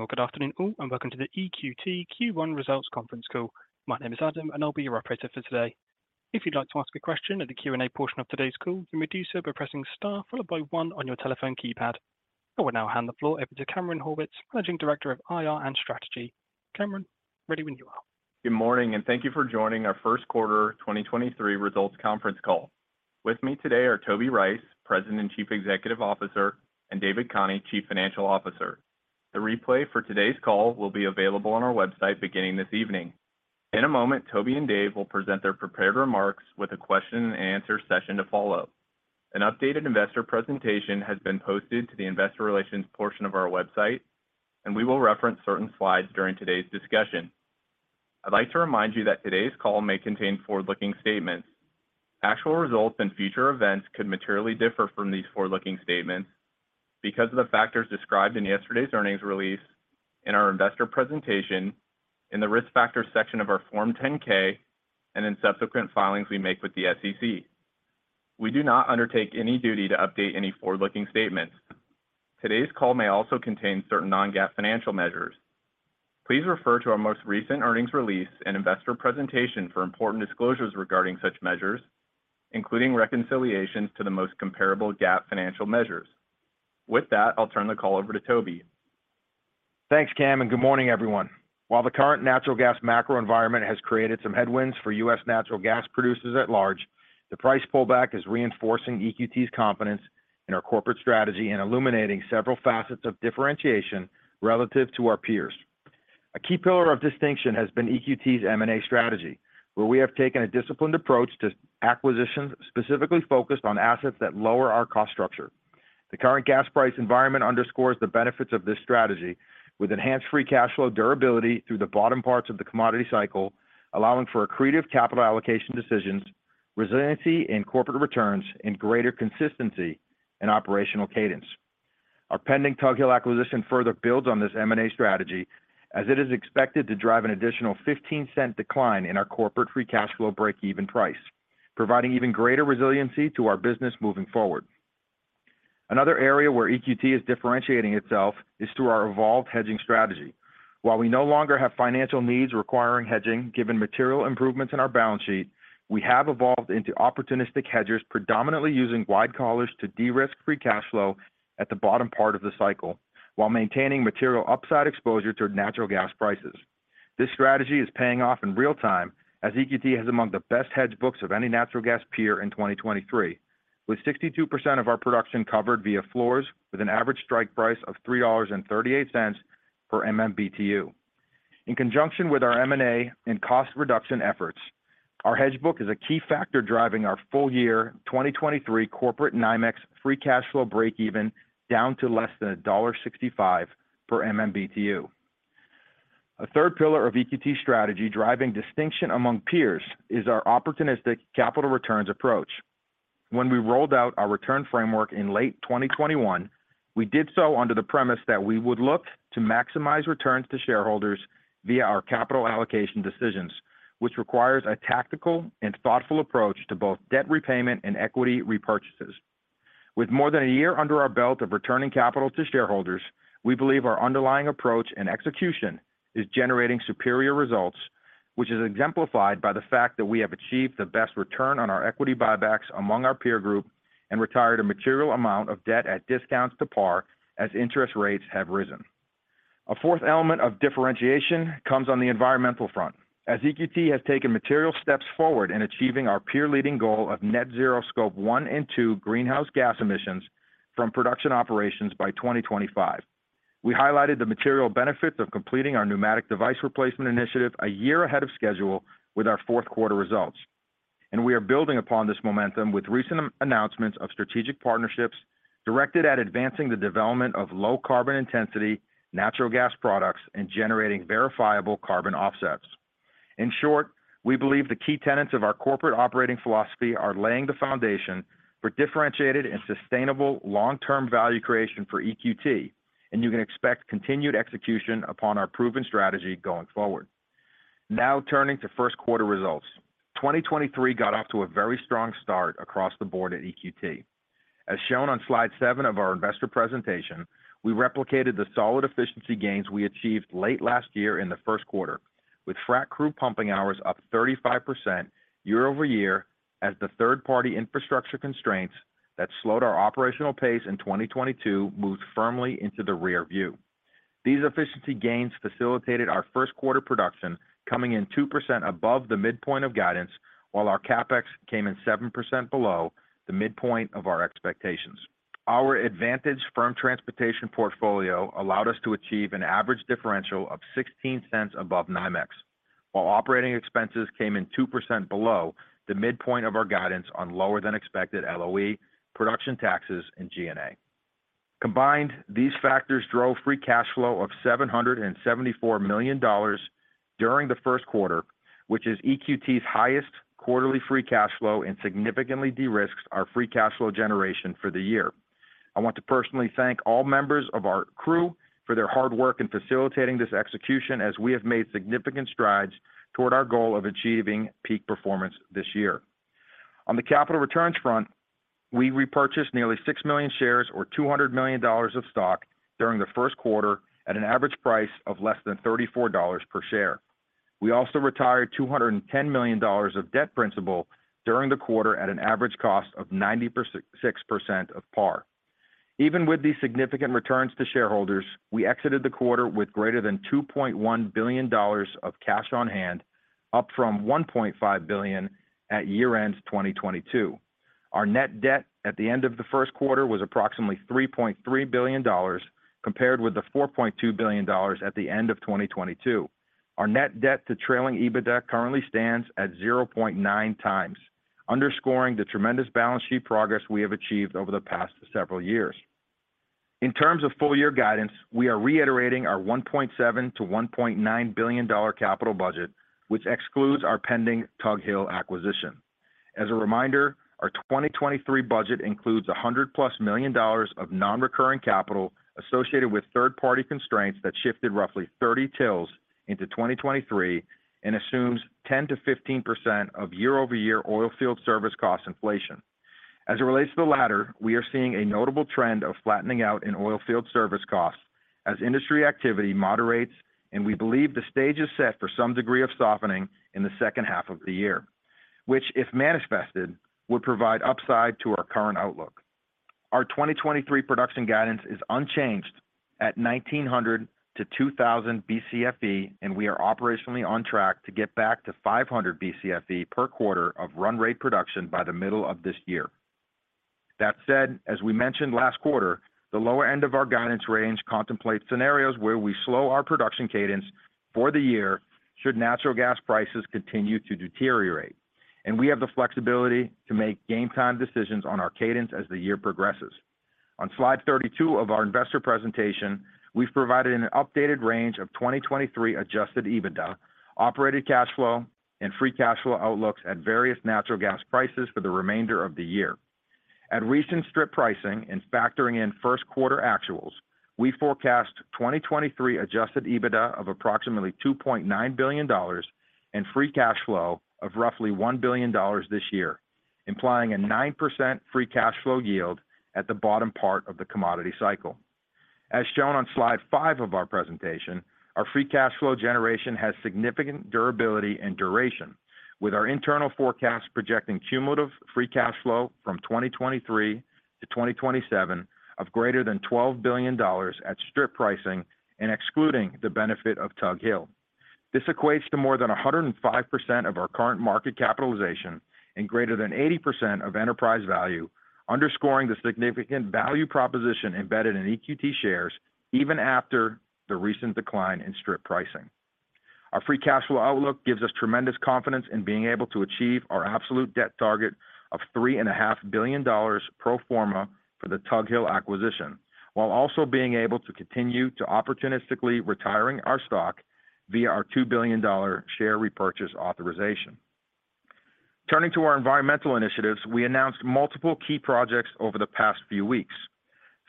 Morning or good afternoon all, welcome to the EQT Q1 Results Conference Call. My name is Adam, and I'll be your operator for today. If you'd like to ask a question at the Q&A portion of today's call, you may do so by pressing star followed by one on your telephone keypad. I will now hand the floor over to Cameron Horwitz, Managing Director of IR and Strategy. Cameron, ready when you are. Good morning, and thank you for joining our first quarter 2023 results conference call. With me today are Toby Rice, President and Chief Executive Officer, and David Khani, Chief Financial Officer. The replay for today's call will be available on our website beginning this evening. In a moment, Toby and Dave will present their prepared remarks with a question and answer session to follow. An updated investor presentation has been posted to the investor relations portion of our website, and we will reference certain slides during today's discussion. I'd like to remind you that today's call may contain forward-looking statements. Actual results and future events could materially differ from these forward-looking statements because of the factors described in yesterday's earnings release, in our investor presentation, in the Risk Factors section of our Form 10-K, and in subsequent filings we make with the SEC. We do not undertake any duty to update any forward-looking statements. Today's call may also contain certain non-GAAP financial measures. Please refer to our most recent earnings release and investor presentation for important disclosures regarding such measures, including reconciliations to the most comparable GAAP financial measures. With that, I'll turn the call over to Toby. Thanks, Cam. Good morning, everyone. While the current natural gas macro environment has created some headwinds for U.S. natural gas producers at large, the price pullback is reinforcing EQT's confidence in our corporate strategy and illuminating several facets of differentiation relative to our peers. A key pillar of distinction has been EQT's M&A strategy, where we have taken a disciplined approach to acquisitions, specifically focused on assets that lower our cost structure. The current gas price environment underscores the benefits of this strategy with enhanced free cash flow durability through the bottom parts of the commodity cycle, allowing for accretive capital allocation decisions, resiliency in corporate returns, and greater consistency in operational cadence. Our pending Tug Hill acquisition further builds on this M&A strategy as it is expected to drive an additional $0.15 decline in our corporate free cash flow breakeven price, providing even greater resiliency to our business moving forward. Another area where EQT is differentiating itself is through our evolved hedging strategy. While we no longer have financial needs requiring hedging, given material improvements in our balance sheet, we have evolved into opportunistic hedgers, predominantly using wide collars to de-risk free cash flow at the bottom part of the cycle while maintaining material upside exposure to natural gas prices. This strategy is paying off in real time as EQT has among the best hedge books of any natural gas peer in 2023, with 62% of our production covered via floors with an average strike price of $3.38 per MMBtu. In conjunction with our M&A and cost reduction efforts, our hedge book is a key factor driving our full year 2023 corporate NYMEX free cash flow breakeven down to less than $1.65 per MMBtu. A third pillar of EQT's strategy driving distinction among peers is our opportunistic capital returns approach. When we rolled out our return framework in late 2021, we did so under the premise that we would look to maximize returns to shareholders via our capital allocation decisions, which requires a tactical and thoughtful approach to both debt repayment and equity repurchases. With more than a year under our belt of returning capital to shareholders, we believe our underlying approach and execution is generating superior results, which is exemplified by the fact that we have achieved the best return on our equity buybacks among our peer group and retired a material amount of debt at discounts to par as interest rates have risen. A fourth element of differentiation comes on the environmental front as EQT has taken material steps forward in achieving our peer-leading goal of net zero Scope 1 and 2 greenhouse gas emissions from production operations by 2025. We highlighted the material benefits of completing our pneumatic device replacement initiative a year ahead of schedule with our fourth quarter results. We are building upon this momentum with recent announcements of strategic partnerships directed at advancing the development of low carbon intensity natural gas products and generating verifiable carbon offsets. In short, we believe the key tenets of our corporate operating philosophy are laying the foundation for differentiated and sustainable long-term value creation for EQT. You can expect continued execution upon our proven strategy going forward. Now turning to first quarter results. 2023 got off to a very strong start across the board at EQT. As shown on slide seven of our investor presentation, we replicated the solid efficiency gains we achieved late last year in the first quarter, with frac crew pumping hours up 35% year-over-year as the third-party infrastructure constraints that slowed our operational pace in 2022 moved firmly into the rear view. These efficiency gains facilitated our first quarter production coming in 2% above the midpoint of guidance, while our CapEx came in 7% below the midpoint of our expectations. Our advantage firm transportation portfolio allowed us to achieve an average differential of $0.16 above NYMEX, while operating expenses came in 2% below the midpoint of our guidance on lower than expected LOE, production taxes, and G&A. Combined, these factors drove free cash flow of $774 million during the first quarter, which is EQT's highest quarterly free cash flow and significantly de-risks our free cash flow generation for the year. I want to personally thank all members of our crew for their hard work in facilitating this execution as we have made significant strides toward our goal of achieving peak performance this year. On the capital returns front, we repurchased nearly 6 million shares or $200 million of stock during the first quarter at an average price of less than $34 per share. We also retired $210 million of debt principal during the quarter at an average cost of 96% of par. Even with these significant returns to shareholders, we exited the quarter with greater than $2.1 billion of cash on hand, up from $1.5 billion at year-end 2022. Our net debt at the end of the first quarter was approximately $3.3 billion, compared with the $4.2 billion at the end of 2022. Our net debt to trailing EBITDA currently stands at 0.9x, underscoring the tremendous balance sheet progress we have achieved over the past several years. In terms of full year guidance, we are reiterating our $1.7 billion-$1.9 billion capital budget, which excludes our pending Tug Hill acquisition. As a reminder, our 2023 budget includes $100+ million of non-recurring capital associated with third-party constraints that shifted roughly 30 tills into 2023 and assumes 10%-15% of year-over-year oil field service cost inflation. As it relates to the latter, we are seeing a notable trend of flattening out in oil field service costs as industry activity moderates, and we believe the stage is set for some degree of softening in the second half of the year, which, if manifested, would provide upside to our current outlook. Our 2023 production guidance is unchanged at 1,900-2,000 Bcfe, and we are operationally on track to get back to 500 Bcfe per quarter of run rate production by the middle of this year. That said, as we mentioned last quarter, the lower end of our guidance range contemplates scenarios where we slow our production cadence for the year should natural gas prices continue to deteriorate, and we have the flexibility to make game time decisions on our cadence as the year progresses. On slide 32 of our investor presentation, we've provided an updated range of 2023 adjusted EBITDA, operated cash flow, and free cash flow outlooks at various natural gas prices for the remainder of the year. At recent strip pricing and factoring in first quarter actuals, we forecast 2023 adjusted EBITDA of approximately $2.9 billion and free cash flow of roughly $1 billion this year, implying a 9% free cash flow yield at the bottom part of the commodity cycle. As shown on slide five of our presentation, our free cash flow generation has significant durability and duration with our internal forecast projecting cumulative free cash flow from 2023 to 2027 of greater than $12 billion at strip pricing and excluding the benefit of Tug Hill. This equates to more than 105% of our current market capitalization and greater than 80% of enterprise value, underscoring the significant value proposition embedded in EQT shares even after the recent decline in strip pricing. Our free cash flow outlook gives us tremendous confidence in being able to achieve our absolute debt target of $3,500,000,000 pro forma for the Tug Hill acquisition, while also being able to continue to opportunistically retiring our stock via our $2 billion share repurchase authorization. Turning to our environmental initiatives, we announced multiple key projects over the past few weeks.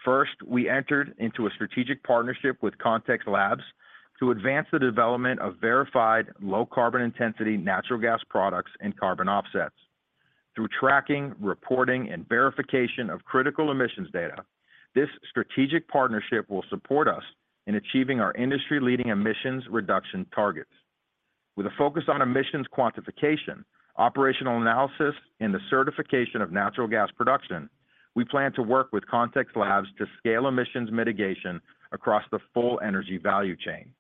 First, we entered into a strategic partnership with Context Labs to advance the development of verified low carbon intensity natural gas products and carbon offsets. Through tracking, reporting, and verification of critical emissions data, this strategic partnership will support us in achieving our industry-leading emissions reduction targets. With a focus on emissions quantification, operational analysis, and the certification of natural gas production, we plan to work with Context Labs to scale emissions mitigation across the full energy value chain.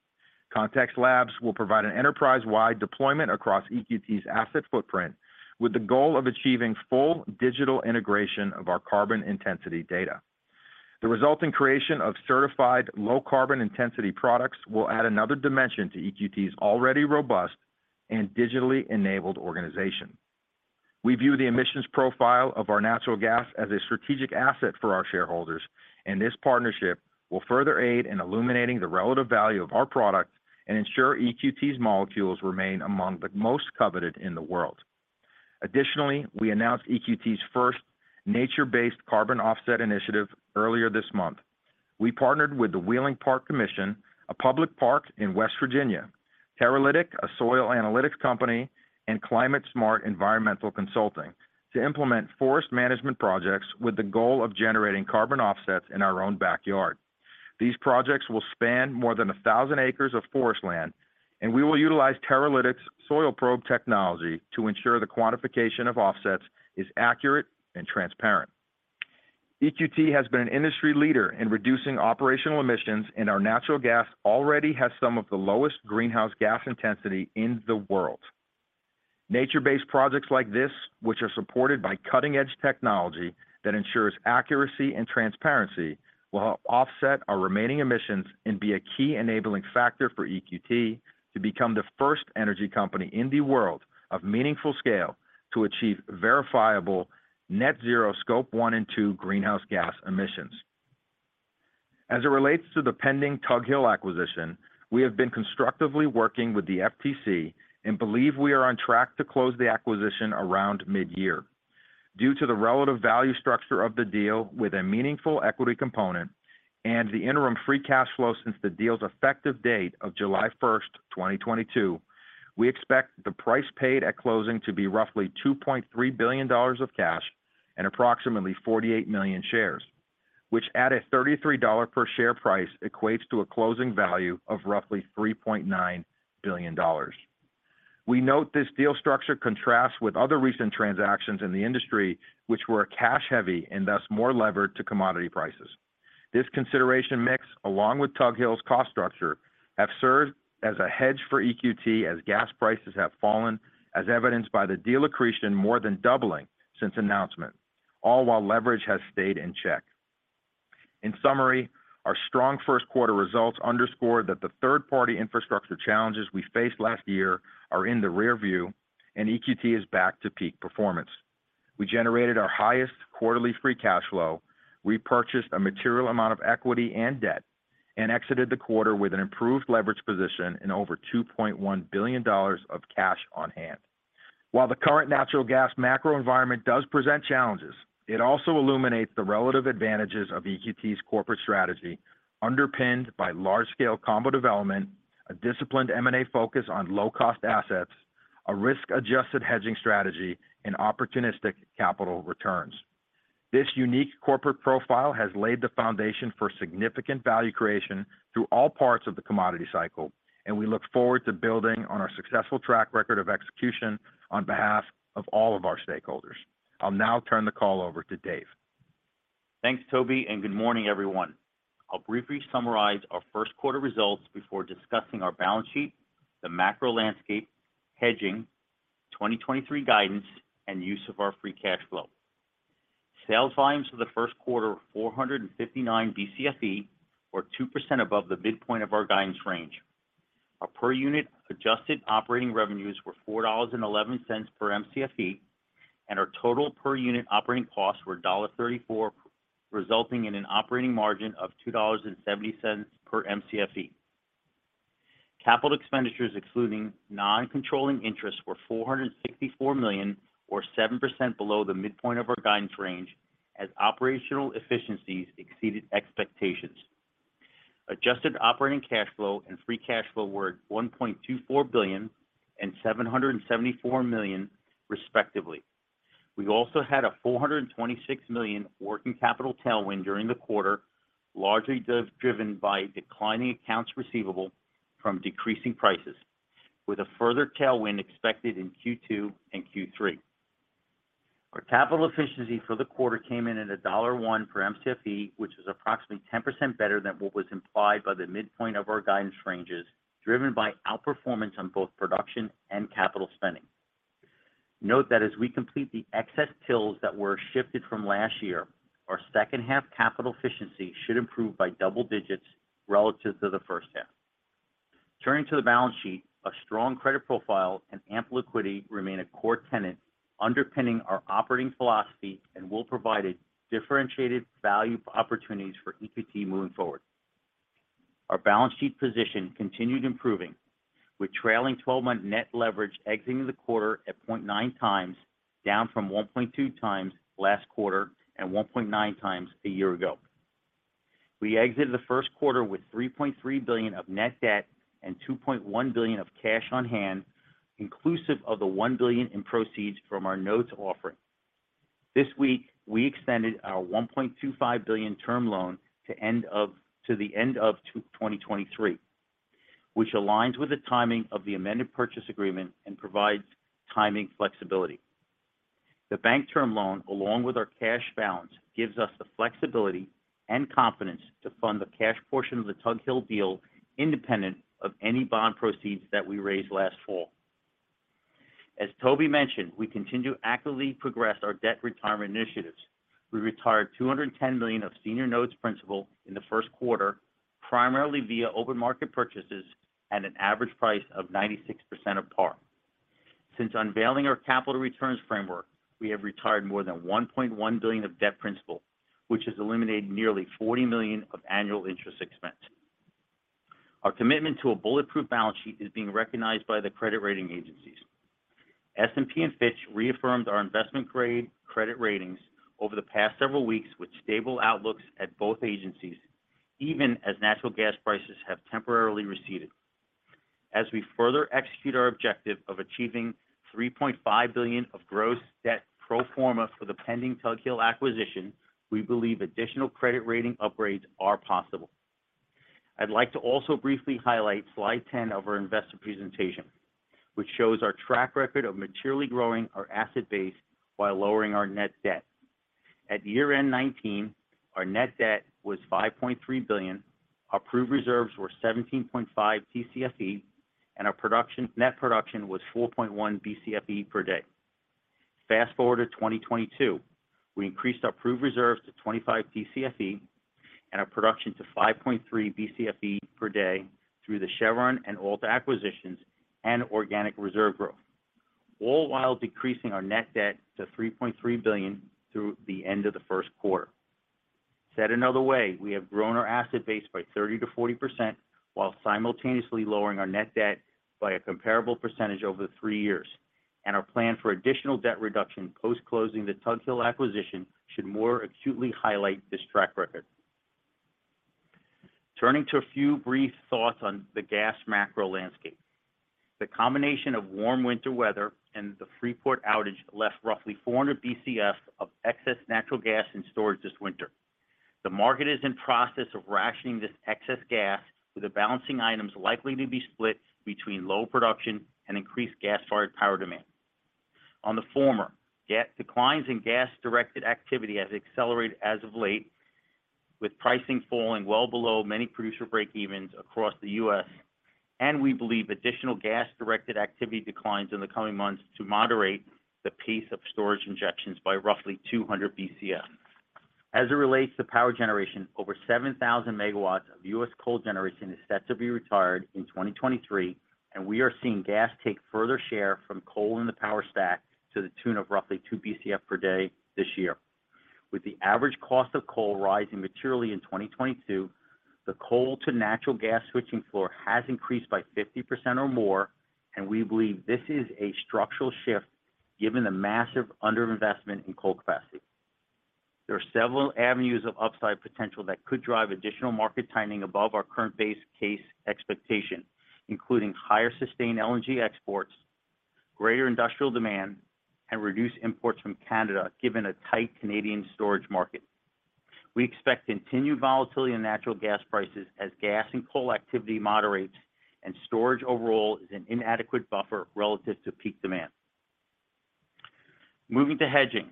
Context Labs will provide an enterprise-wide deployment across EQT's asset footprint with the goal of achieving full digital integration of our carbon intensity data. The resulting creation of certified low carbon intensity products will add another dimension to EQT's already robust and digitally enabled organization. We view the emissions profile of our natural gas as a strategic asset for our shareholders, and this partnership will further aid in illuminating the relative value of our product and ensure EQT's molecules remain among the most coveted in the world. Additionally, we announced EQT's first nature-based carbon offset initiative earlier this month. We partnered with the Wheeling Park Commission, a public park in West Virginia, Teralytic, a soil analytics company, and Climate Smart Environmental Consulting to implement forest management projects with the goal of generating carbon offsets in our own backyard. These projects will span more than 1,000 acres of forest land, and we will utilize Teralytic's soil probe technology to ensure the quantification of offsets is accurate and transparent. EQT has been an industry leader in reducing operational emissions, and our natural gas already has some of the lowest greenhouse gas intensity in the world. Nature-based projects like this, which are supported by cutting-edge technology that ensures accuracy and transparency, will help offset our remaining emissions and be a key enabling factor for EQT to become the first energy company in the world of meaningful scale to achieve verifiable net zero Scope 1 and 2 greenhouse gas emissions. As it relates to the pending Tug Hill acquisition, we have been constructively working with the FTC and believe we are on track to close the acquisition around mid-year. Due to the relative value structure of the deal with a meaningful equity component and the interim free cash flow since the deal's effective date of July 1st, 2022, we expect the price paid at closing to be roughly $2.3 billion of cash and approximately 48 million shares, which at a $33 per share price equates to a closing value of roughly $3.9 billion. We note this deal structure contrasts with other recent transactions in the industry, which were cash-heavy and thus more levered to commodity prices. This consideration mix, along with Tug Hill's cost structure, have served as a hedge for EQT as gas prices have fallen, as evidenced by the deal accretion more than doubling since announcement, all while leverage has stayed in check. In summary, our strong first quarter results underscore that the third-party infrastructure challenges we faced last year are in the rearview, and EQT is back to peak performance. We generated our highest quarterly free cash flow, repurchased a material amount of equity and debt, and exited the quarter with an improved leverage position and over $2.1 billion of cash on hand. While the current natural gas macro environment does present challenges, it also illuminates the relative advantages of EQT's corporate strategy, underpinned by large-scale combo development, a disciplined M&A focus on low-cost assets, a risk-adjusted hedging strategy, and opportunistic capital returns. This unique corporate profile has laid the foundation for significant value creation through all parts of the commodity cycle, and we look forward to building on our successful track record of execution on behalf of all of our stakeholders. I'll now turn the call over to Dave. Thanks, Toby, and good morning, everyone. I'll briefly summarize our first quarter results before discussing our balance sheet, the macro landscape, hedging, 2023 guidance, and use of our free cash flow. Sales volumes for the first quarter were 459 Bcfe, or 2% above the midpoint of our guidance range. Our per-unit adjusted operating revenues were $4.11 per Mcfe, and our total per-unit operating costs were $1.34, resulting in an operating margin of $2.70 per Mcfe. Capital expenditures excluding non-controlling interests were $464 million, or 7% below the midpoint of our guidance range as operational efficiencies exceeded expectations. Adjusted operating cash flow and free cash flow were $1.24 billion and $774 million respectively. We also had a $426 million working capital tailwind during the quarter, largely driven by declining accounts receivable from decreasing prices, with a further tailwind expected in Q2 and Q3. Our capital efficiency for the quarter came in at $1.01 per MCFE, which is approximately 10% better than what was implied by the midpoint of our guidance ranges, driven by outperformance on both production and capital spending. Note that as we complete the excess tills that were shifted from last year, our second-half capital efficiency should improve by double digits relative to the first half. Turning to the balance sheet, a strong credit profile and ample liquidity remain a core tenet underpinning our operating philosophy and will provide a differentiated value for opportunities for EQT moving forward. Our balance sheet position continued improving, with trailing twelve-month net leverage exiting the quarter at 0.9x, down from 1.2x last quarter and 1.9x a year ago. We exited the first quarter with $3.3 billion of net debt and $2.1 billion of cash on hand, inclusive of the $1 billion in proceeds from our notes offering. This week, we extended our $1.25 billion term loan to the end of 2023, which aligns with the timing of the amended purchase agreement and provides timing flexibility. The bank term loan, along with our cash balance, gives us the flexibility and confidence to fund the cash portion of the Tug Hill deal independent of any bond proceeds that we raised last fall. As Toby mentioned, we continue to actively progress our debt retirement initiatives. We retired $210 million of senior notes principal in the first quarter, primarily via open market purchases at an average price of 96% of par. Since unveiling our capital returns framework, we have retired more than $1.1 billion of debt principal, which has eliminated nearly $40 million of annual interest expense. Our commitment to a bulletproof balance sheet is being recognized by the credit rating agencies. S&P and Fitch reaffirmed our investment-grade credit ratings over the past several weeks with stable outlooks at both agencies, even as natural gas prices have temporarily receded. As we further execute our objective of achieving $3.5 billion of gross debt pro forma for the pending Tug Hill acquisition, we believe additional credit rating upgrades are possible. I'd like to also briefly highlight slide 10 of our investor presentation, which shows our track record of materially growing our asset base while lowering our net debt. At year-end 2019, our net debt was $5.3 billion, our proved reserves were 17.5 Tcfe, and our net production was 4.1 Bcfe per day. Fast-forward to 2022, we increased our proved reserves to 25 Tcfe and our production to 5.3 Bcfe per day through the Chevron and Alta acquisitions and organic reserve growth, all while decreasing our net debt to $3.3 billion through the end of the first quarter. Said another way, we have grown our asset base by 30%-40% while simultaneously lowering our net debt by a comparable percentage over the three years. Our plan for additional debt reduction post-closing the Tug Hill acquisition should more acutely highlight this track record. Turning to a few brief thoughts on the gas macro landscape. The combination of warm winter weather and the Freeport outage left roughly 400 Bcf of excess natural gas in storage this winter. The market is in process of rationing this excess gas, with the balancing items likely to be split between low production and increased gas-fired power demand. On the former, declines in gas-directed activity has accelerated as of late, with pricing falling well below many producer breakevens across the U.S., and we believe additional gas-directed activity declines in the coming months to moderate the pace of storage injections by roughly 200 Bcf. As it relates to power generation, over 7,000 megawatts of U.S. coal generation is set to be retired in 2023. We are seeing gas take further share from coal in the power stack to the tune of roughly two Bcf per day this year. With the average cost of coal rising materially in 2022, the coal to natural gas switching floor has increased by 50% or more. We believe this is a structural shift given the massive underinvestment in coal capacity. There are several avenues of upside potential that could drive additional market timing above our current base case expectation, including higher sustained LNG exports, greater industrial demand, reduced imports from Canada, given a tight Canadian storage market. We expect continued volatility in natural gas prices as gas and coal activity moderates and storage overall is an inadequate buffer relative to peak demand. Moving to hedging.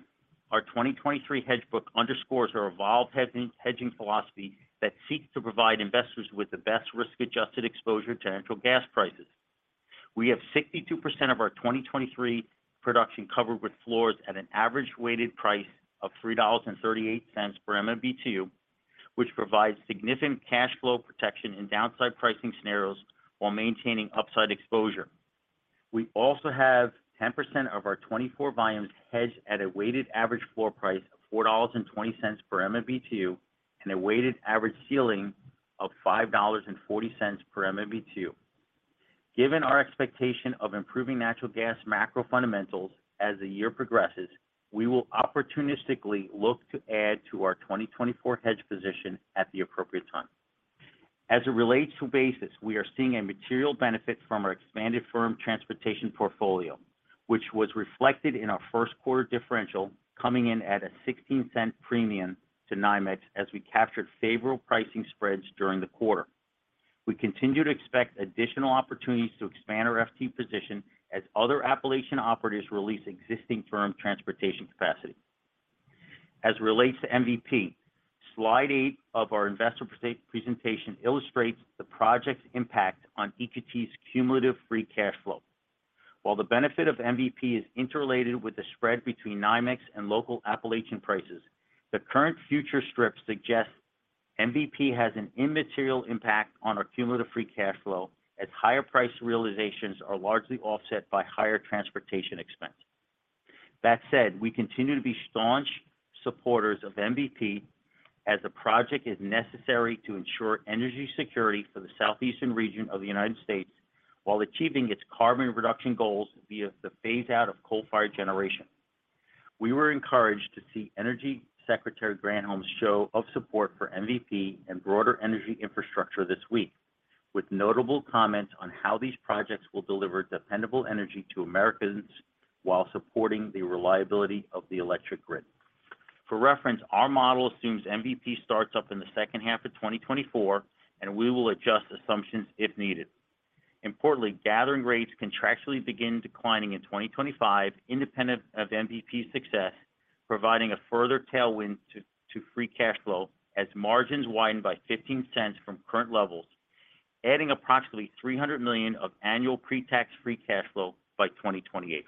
Our 2023 hedge book underscores our evolved hedging philosophy that seeks to provide investors with the best risk-adjusted exposure to natural gas prices. We have 62% of our 2023 production covered with floors at an average weighted price of $3.38 per MMBtu, which provides significant cash flow protection in downside pricing scenarios while maintaining upside exposure. We also have 10% of our 2024 volumes hedged at a weighted average floor price of $4.20 per MMBtu and a weighted average ceiling of $5.40 per MMBtu. Given our expectation of improving natural gas macro fundamentals as the year progresses, we will opportunistically look to add to our 2024 hedge position at the appropriate time. As it relates to basis, we are seeing a material benefit from our expanded firm transportation portfolio, which was reflected in our first quarter differential coming in at a $0.16 premium to NYMEX as we captured favorable pricing spreads during the quarter. We continue to expect additional opportunities to expand our FT position as other Appalachian operators release existing firm transportation capacity. As it relates to MVP, slide eight of our investor presentation illustrates the project's impact on EQT's cumulative free cash flow. While the benefit of MVP is interrelated with the spread between NYMEX and local Appalachian prices, the current future strip suggests MVP has an immaterial impact on our cumulative free cash flow as higher price realizations are largely offset by higher transportation expenses. That said, we continue to be staunch supporters of MVP as the project is necessary to ensure energy security for the southeastern region of the United States while achieving its carbon reduction goals via the phase out of coal-fired generation. We were encouraged to see Energy Secretary Granholm's show of support for MVP and broader energy infrastructure this week, with notable comments on how these projects will deliver dependable energy to Americans while supporting the reliability of the electric grid. For reference, our model assumes MVP starts up in the second half of 2024, and we will adjust assumptions if needed. Importantly, gathering rates contractually begin declining in 2025, independent of MVP's success, providing a further tailwind to free cash flow as margins widen by $0.15 from current levels, adding approximately $300 million of annual pre-tax free cash flow by 2028.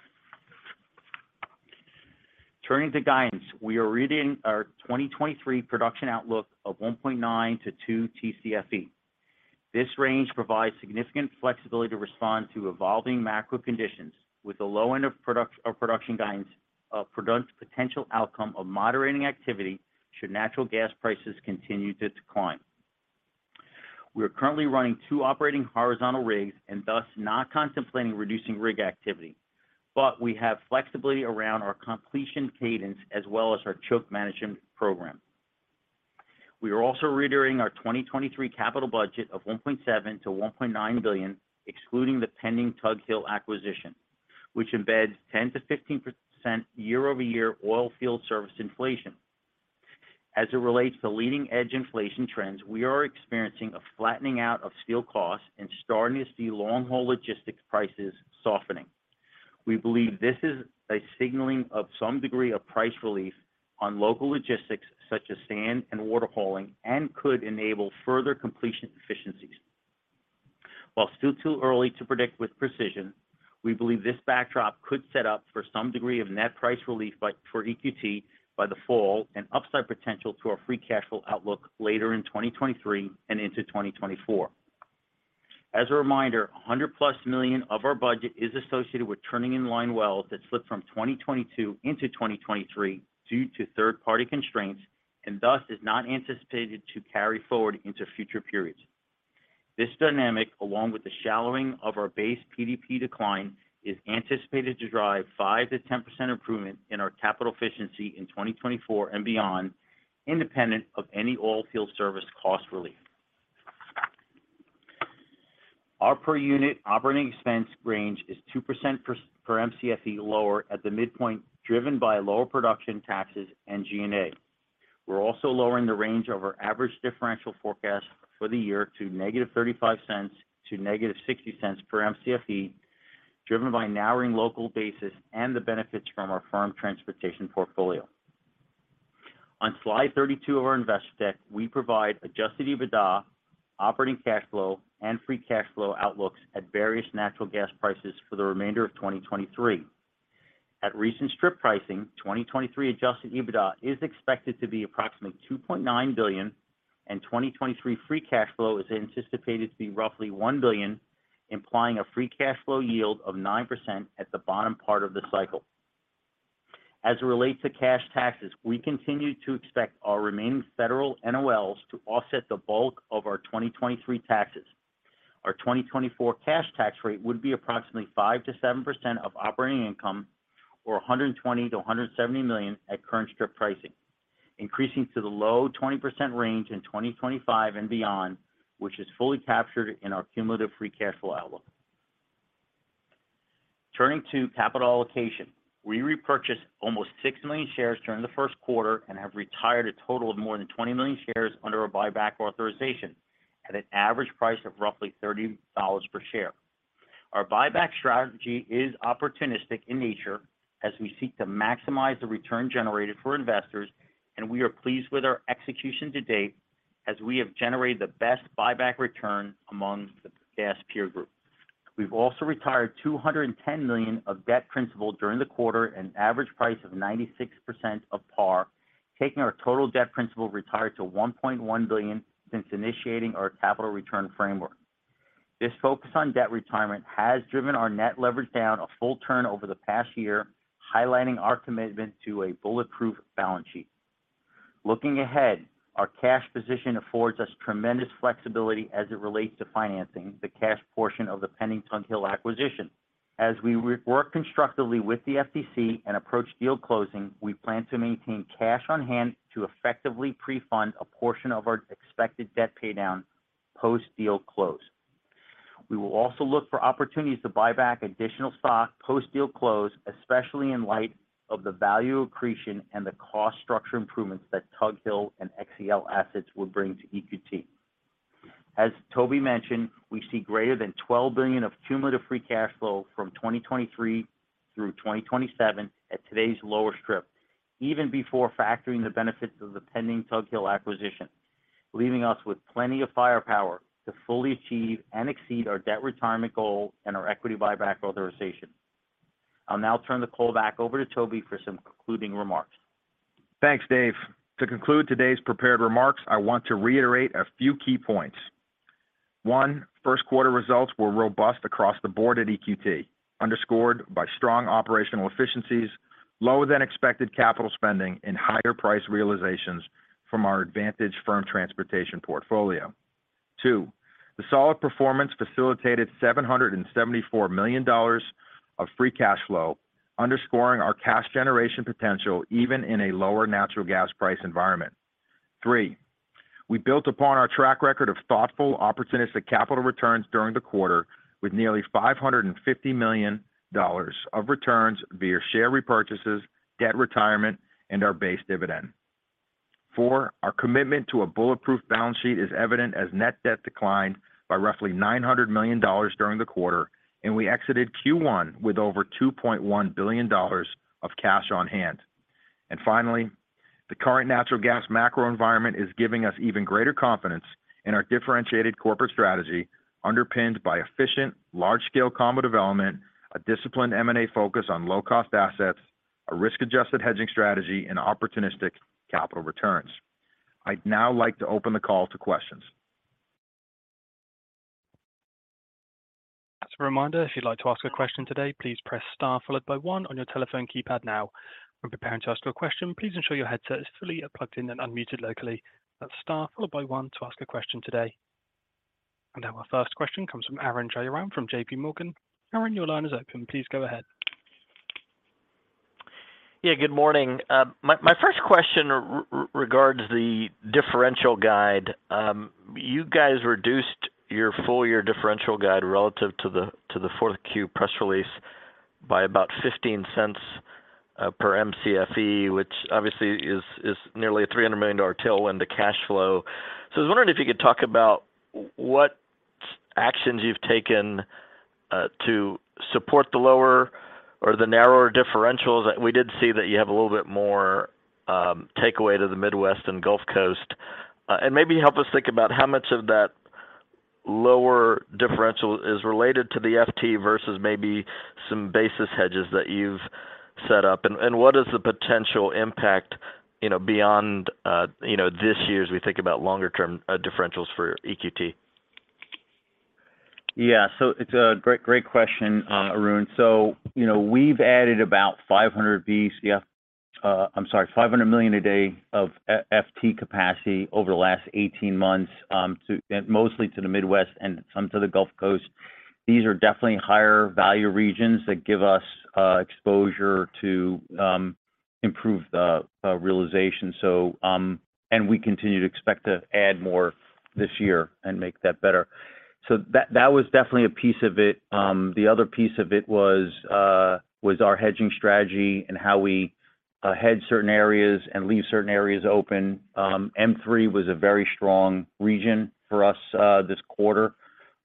Turning to guidance, we are reading our 2023 production outlook of 1.9-2 Tcfe. This range provides significant flexibility to respond to evolving macro conditions, with the low end of production guidance a potential outcome of moderating activity should natural gas prices continue to decline. We are currently running two operating horizontal rigs and thus not contemplating reducing rig activity, we have flexibility around our completion cadence as well as our choke management program. We are also reiterating our 2023 capital budget of $1.7 billion-$1.9 billion, excluding the pending Tug Hill acquisition, which embeds 10%-15% year-over-year oil field service inflation. As it relates to leading-edge inflation trends, we are experiencing a flattening out of steel costs and starting to see long-haul logistics prices softening. We believe this is a signaling of some degree of price relief on local logistics such as sand and water hauling and could enable further completion efficiencies. While still too early to predict with precision, we believe this backdrop could set up for some degree of net price relief by, for EQT by the fall and upside potential to our free cash flow outlook later in 2023 and into 2024. A reminder, $100+ million of our budget is associated with turning in line wells that slipped from 2022 into 2023 due to third-party constraints and thus is not anticipated to carry forward into future periods. This dynamic, along with the shallowing of our base PDP decline, is anticipated to drive 5%-10% improvement in our capital efficiency in 2024 and beyond, independent of any oil field service cost relief. Our per unit operating expense range is 2% per Mcfe lower at the midpoint, driven by lower production taxes and G&A. We're also lowering the range of our average differential forecast for the year to -$0.35 to -$0.60 per Mcfe, driven by narrowing local basis and the benefits from our firm transportation portfolio. On slide 32 of our investor deck, we provide adjusted EBITDA, operating cash flow, and free cash flow outlooks at various natural gas prices for the remainder of 2023. At recent strip pricing, 2023 adjusted EBITDA is expected to be approximately $2.9 billion, and 2023 free cash flow is anticipated to be roughly $1 billion, implying a free cash flow yield of 9% at the bottom part of the cycle. As it relates to cash taxes, we continue to expect our remaining federal NOLs to offset the bulk of our 2023 taxes. Our 2024 cash tax rate would be approximately 5%-7% of operating income or $120 million-$170 million at current strip pricing, increasing to the low 20% range in 2025 and beyond, which is fully captured in our cumulative free cash flow outlook. Turning to capital allocation. We repurchased almost six million shares during the first quarter and have retired a total of more than 20 million shares under our buyback authorization at an average price of roughly $30 per share. Our buyback strategy is opportunistic in nature as we seek to maximize the return generated for investors, we are pleased with our execution to date as we have generated the best buyback return among the gas peer group. We've also retired $210 million of debt principal during the quarter at an average price of 96% of par, taking our total debt principal retired to $1.1 billion since initiating our capital return framework. This focus on debt retirement has driven our net leverage down a full turn over the past year, highlighting our commitment to a bulletproof balance sheet. Looking ahead, our cash position affords us tremendous flexibility as it relates to financing the cash portion of the pending Tug Hill acquisition. As we work constructively with the FTC and approach deal closing, we plan to maintain cash on hand to effectively pre-fund a portion of our expected debt paydown post-deal close. We will also look for opportunities to buy back additional stock post-deal close, especially in light of the value accretion and the cost structure improvements that Tug Hill and XcL assets will bring to EQT. As Toby mentioned, we see greater than $12 billion of cumulative free cash flow from 2023 through 2027 at today's lower strip, even before factoring the benefits of the pending Tug Hill acquisition, leaving us with plenty of firepower to fully achieve and exceed our debt retirement goal and our equity buyback authorization. I'll now turn the call back over to Toby for some concluding remarks. Thanks, Dave. To conclude today's prepared remarks, I want to reiterate a few key points. One, first quarter results were robust across the board at EQT, underscored by strong operational efficiencies, lower than expected capital spending, and higher price realizations from our advantage firm transportation portfolio. Two, the solid performance facilitated $774 million of free cash flow, underscoring our cash generation potential even in a lower natural gas price environment. Three, we built upon our track record of thoughtful, opportunistic capital returns during the quarter with nearly $550 million of returns via share repurchases, debt retirement, and our base dividend. Four, our commitment to a bulletproof balance sheet is evident as net debt declined by roughly $900 million during the quarter, and we exited Q1 with over $2.1 billion of cash on hand. Finally, the current natural gas macro environment is giving us even greater confidence in our differentiated corporate strategy underpinned by efficient, large-scale combo development, a disciplined M&A focus on low-cost assets, a risk-adjusted hedging strategy, and opportunistic capital returns. I'd now like to open the call to questions. As a reminder, if you'd like to ask a question today, please press star followed by one on your telephone keypad now. When preparing to ask your question, please ensure your headset is fully plugged in and unmuted locally. That's star followed by one to ask a question today. Our first question comes from Arun Jayaram from JPMorgan. Arun, your line is open. Please go ahead. Yeah, good morning. My first question regards the differential guide. You guys reduced your full year differential guide relative to the 4Q press release by about $0.15 per Mcfe, which obviously is nearly a $300 million tailwind to cash flow. I was wondering if you could talk about what actions you've taken to support the lower or the narrower differentials. We did see that you have a little bit more takeaway to the Midwest and Gulf Coast. Maybe help us think about how much of that lower differential is related to the FT versus maybe some basis hedges that you've set up. What is the potential impact? You know, beyond, you know, this year as we think about longer term, differentials for EQT. Yeah. It's a great question, Arun. You know, we've added about 500 Bcf... I'm sorry, 500 million a day of FT capacity over the last 18 months, mostly to the Midwest and some to the Gulf Coast. These are definitely higher value regions that give us exposure to improve the realization. We continue to expect to add more this year and make that better. That was definitely a piece of it. The other piece of it was our hedging strategy and how we hedge certain areas and leave certain areas open. M3 was a very strong region for us this quarter.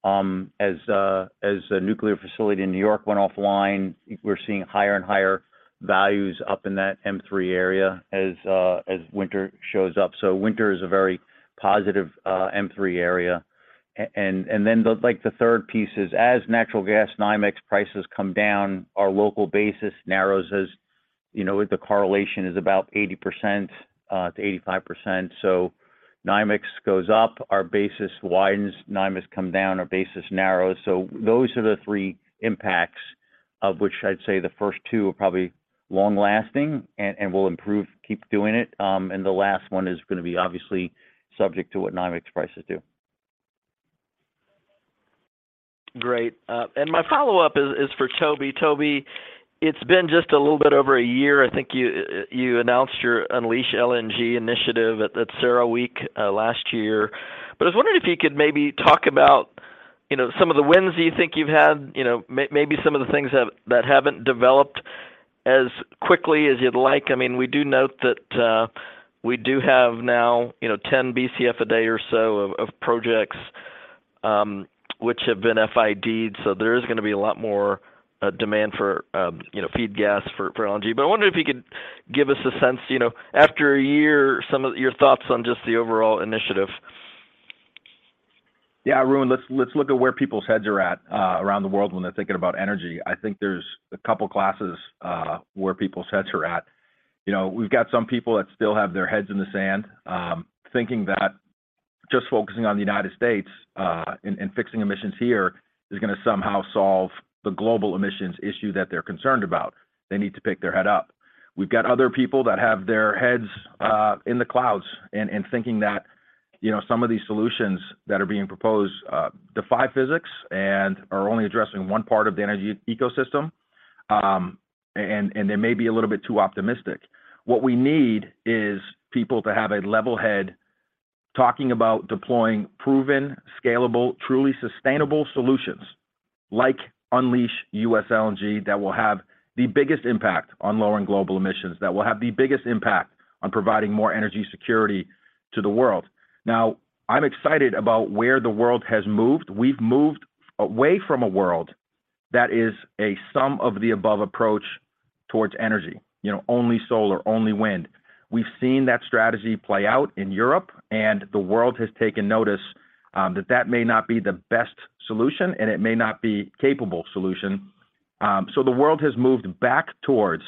As a nuclear facility in New York went offline, we're seeing higher and higher values up in that M3 area as winter shows up. Winter is a very positive M3 area. The third piece is as natural gas NYMEX prices come down, our local basis narrows as, you know, the correlation is about 80%- 85%. NYMEX goes up, our basis widens. NYMEX come down, our basis narrows. Those are the three impacts of which I'd say the first two are probably long-lasting and will improve. Keep doing it. The last one is gonna be obviously subject to what NYMEX prices do. Great. My follow-up is for Toby. Toby, it's been just a little bit over a year. I think you announced your Unleash LNG initiative at CERAWeek last year. I was wondering if you could maybe talk about, you know, some of the wins that you think you've had. You know, maybe some of the things that haven't developed as quickly as you'd like. I mean, we do note that we do have now, you know, 10 Bcf a day or so of projects, which have been FID'd. There is gonna be a lot more demand for, you know, feed gas for LNG. I wonder if you could give us a sense, you know, after a year, some of your thoughts on just the overall initiative. Yeah. Arun, let's look at where people's heads are at around the world when they're thinking about energy. I think there's a couple classes where people's heads are at. You know, we've got some people that still have their heads in the sand, thinking that just focusing on the United States and fixing emissions here is gonna somehow solve the global emissions issue that they're concerned about. They need to pick their head up. We've got other people that have their heads in the clouds and thinking that, you know, some of these solutions that are being proposed defy physics and are only addressing one part of the energy ecosystem. They may be a little bit too optimistic. What we need is people to have a level head talking about deploying proven, scalable, truly sustainable solutions like Unleash U.S. LNG that will have the biggest impact on lowering global emissions, that will have the biggest impact on providing more energy security to the world. I'm excited about where the world has moved. We've moved away from a world that is a sum of the above approach towards energy. You know, only solar, only wind. We've seen that strategy play out in Europe, and the world has taken notice, that that may not be the best solution, and it may not be capable solution. The world has moved back towards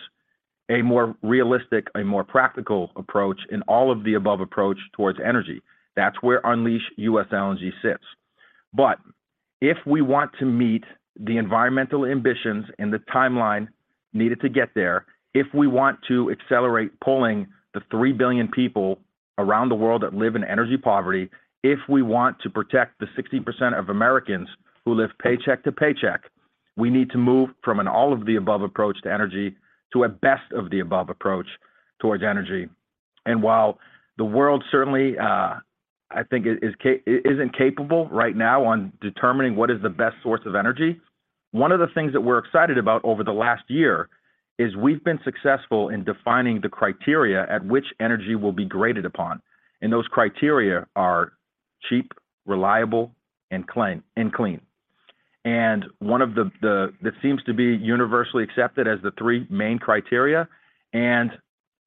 a more realistic, a more practical approach, an all of the above approach towards energy. That's where Unleash U.S. LNG sits. If we want to meet the environmental ambitions and the timeline needed to get there, if we want to accelerate pulling the 3 billion people around the world that live in energy poverty, if we want to protect the 60% of Americans who live paycheck to paycheck, we need to move from an all of the above approach to energy to a best of the above approach towards energy. While the world certainly, I think isn't capable right now on determining what is the best source of energy, one of the things that we're excited about over the last year is we've been successful in defining the criteria at which energy will be graded upon, and those criteria are cheap, reliable, and clean. One of that seems to be universally accepted as the three main criteria, and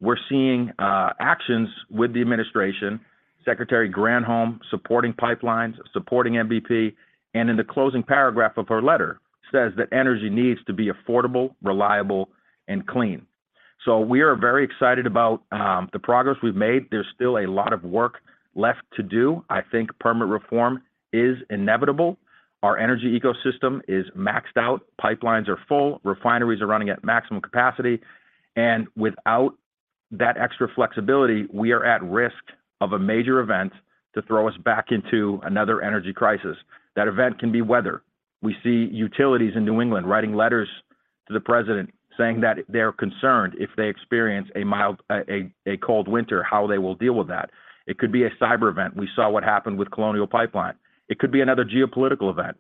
we're seeing actions with the administration, Secretary Granholm supporting pipelines, supporting MVP, and in the closing paragraph of her letter says that energy needs to be affordable, reliable, and clean. We are very excited about the progress we've made. There's still a lot of work left to do. I think permit reform is inevitable. Our energy ecosystem is maxed out. Pipelines are full. Refineries are running at maximum capacity. Without that extra flexibility, we are at risk of a major event to throw us back into another energy crisis. That event can be weather. We see utilities in New England writing letters to the president saying that they're concerned if they experience a cold winter, how they will deal with that. It could be a cyber event. We saw what happened with Colonial Pipeline. It could be another geopolitical event.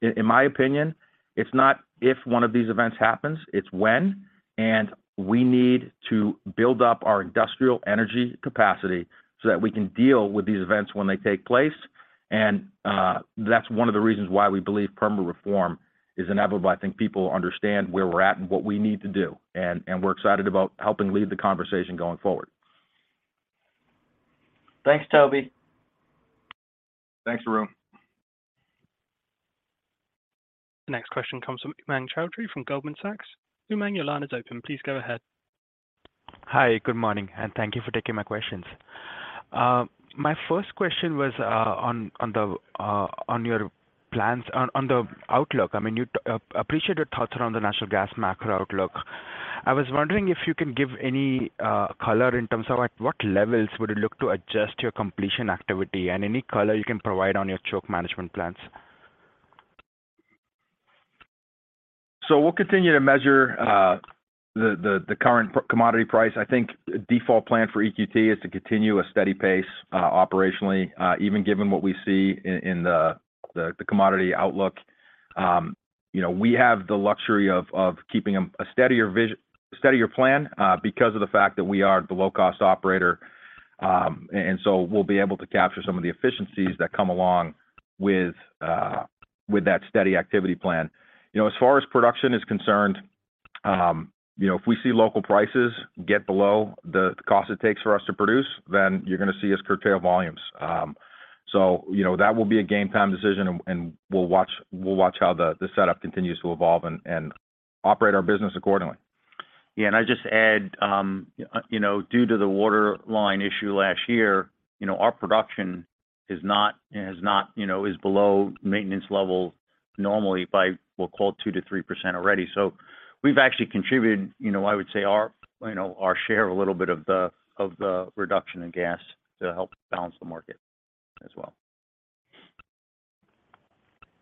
In my opinion, it's not if one of these events happens, it's when, we need to build up our industrial energy capacity so that we can deal with these events when they take place. That's one of the reasons why we believe permit reform is inevitable. I think people understand where we're at and what we need to do, and we're excited about helping lead the conversation going forward. Thanks, Toby. Thanks, Arun. The next question comes from Umang Choudhary from Goldman Sachs. Umang, your line is open. Please go ahead. Hi, good morning. Thank you for taking my questions. My first question was on the on your plans on the outlook. I mean, appreciate your thoughts around the natural gas macro outlook. I was wondering if you can give any color in terms of at what levels would it look to adjust your completion activity and any color you can provide on your choke management plans? We'll continue to measure the current commodity price. I think default plan for EQT is to continue a steady pace operationally, even given what we see in the commodity outlook. You know, we have the luxury of keeping a steadier plan because of the fact that we are the low-cost operator. We'll be able to capture some of the efficiencies that come along with that steady activity plan. You know, as far as production is concerned, you know, if we see local prices get below the cost it takes for us to produce, then you're gonna see us curtail volumes. You know, that will be a game time decision and we'll watch how the setup continues to evolve and operate our business accordingly. Yeah. I'd just add, you know, due to the waterline issue last year, you know, our production is below maintenance level normally by, we'll call it 2%-3% already. We've actually contributed, you know, I would say our, you know, our share a little bit of the, of the reduction in gas to help balance the market as well.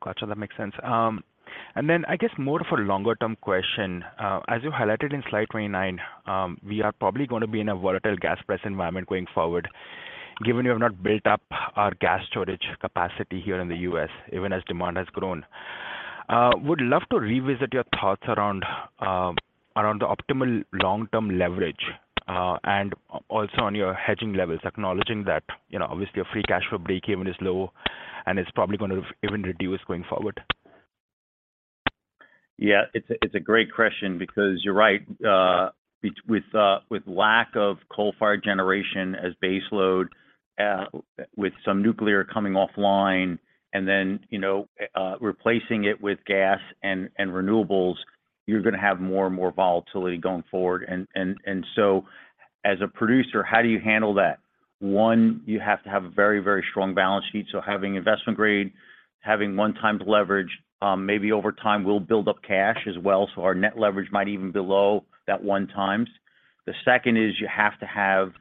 Gotcha. That makes sense. I guess more of a longer term question. As you highlighted in slide 29, we are probably gonna be in a volatile gas price environment going forward, given you have not built up our gas storage capacity here in the U.S., even as demand has grown. Would love to revisit your thoughts around around the optimal long-term leverage, and also on your hedging levels, acknowledging that, you know, obviously a free cash flow breakeven is low, and it's probably gonna even reduce going forward. Yeah. It's a great question because you're right. With lack of coal-fired generation as base load, with some nuclear coming offline then, you know, replacing it with gas and renewables, you're gonna have more and more volatility going forward. As a producer, how do you handle that? One, you have to have a very strong balance sheet. Having investment grade, having 1x leverage, maybe over time we'll build up cash as well. Our net leverage might even below that 1x. The second is you have to have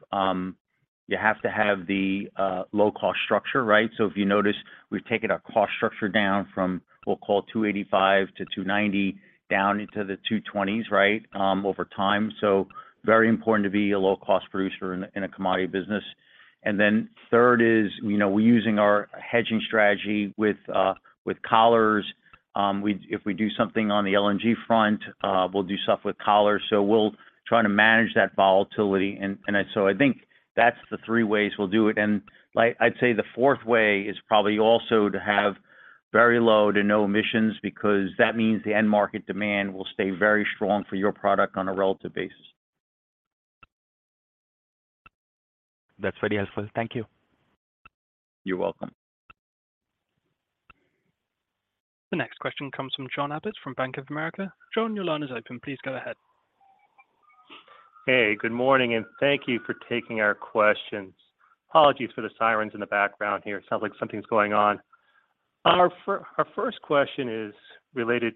the low cost structure, right? If you notice, we've taken our cost structure down from, we'll call it $2.85-$2.90 down into the $2.20s, right, over time. very important to be a low cost producer in a commodity business. Third is, you know, we're using our hedging strategy with collars. If we do something on the LNG front, we'll do stuff with collars. We'll try to manage that volatility. I think that's the three ways we'll do it. Like I'd say the fourth way is probably also to have very low to no emissions, because that means the end market demand will stay very strong for your product on a relative basis. That's very helpful. Thank you. You're welcome. The next question comes from John Abbott from Bank of America. John, your line is open. Please go ahead. Hey, good morning, and thank you for taking our questions. Apologies for the sirens in the background here. Sounds like something's going on. Our first question is related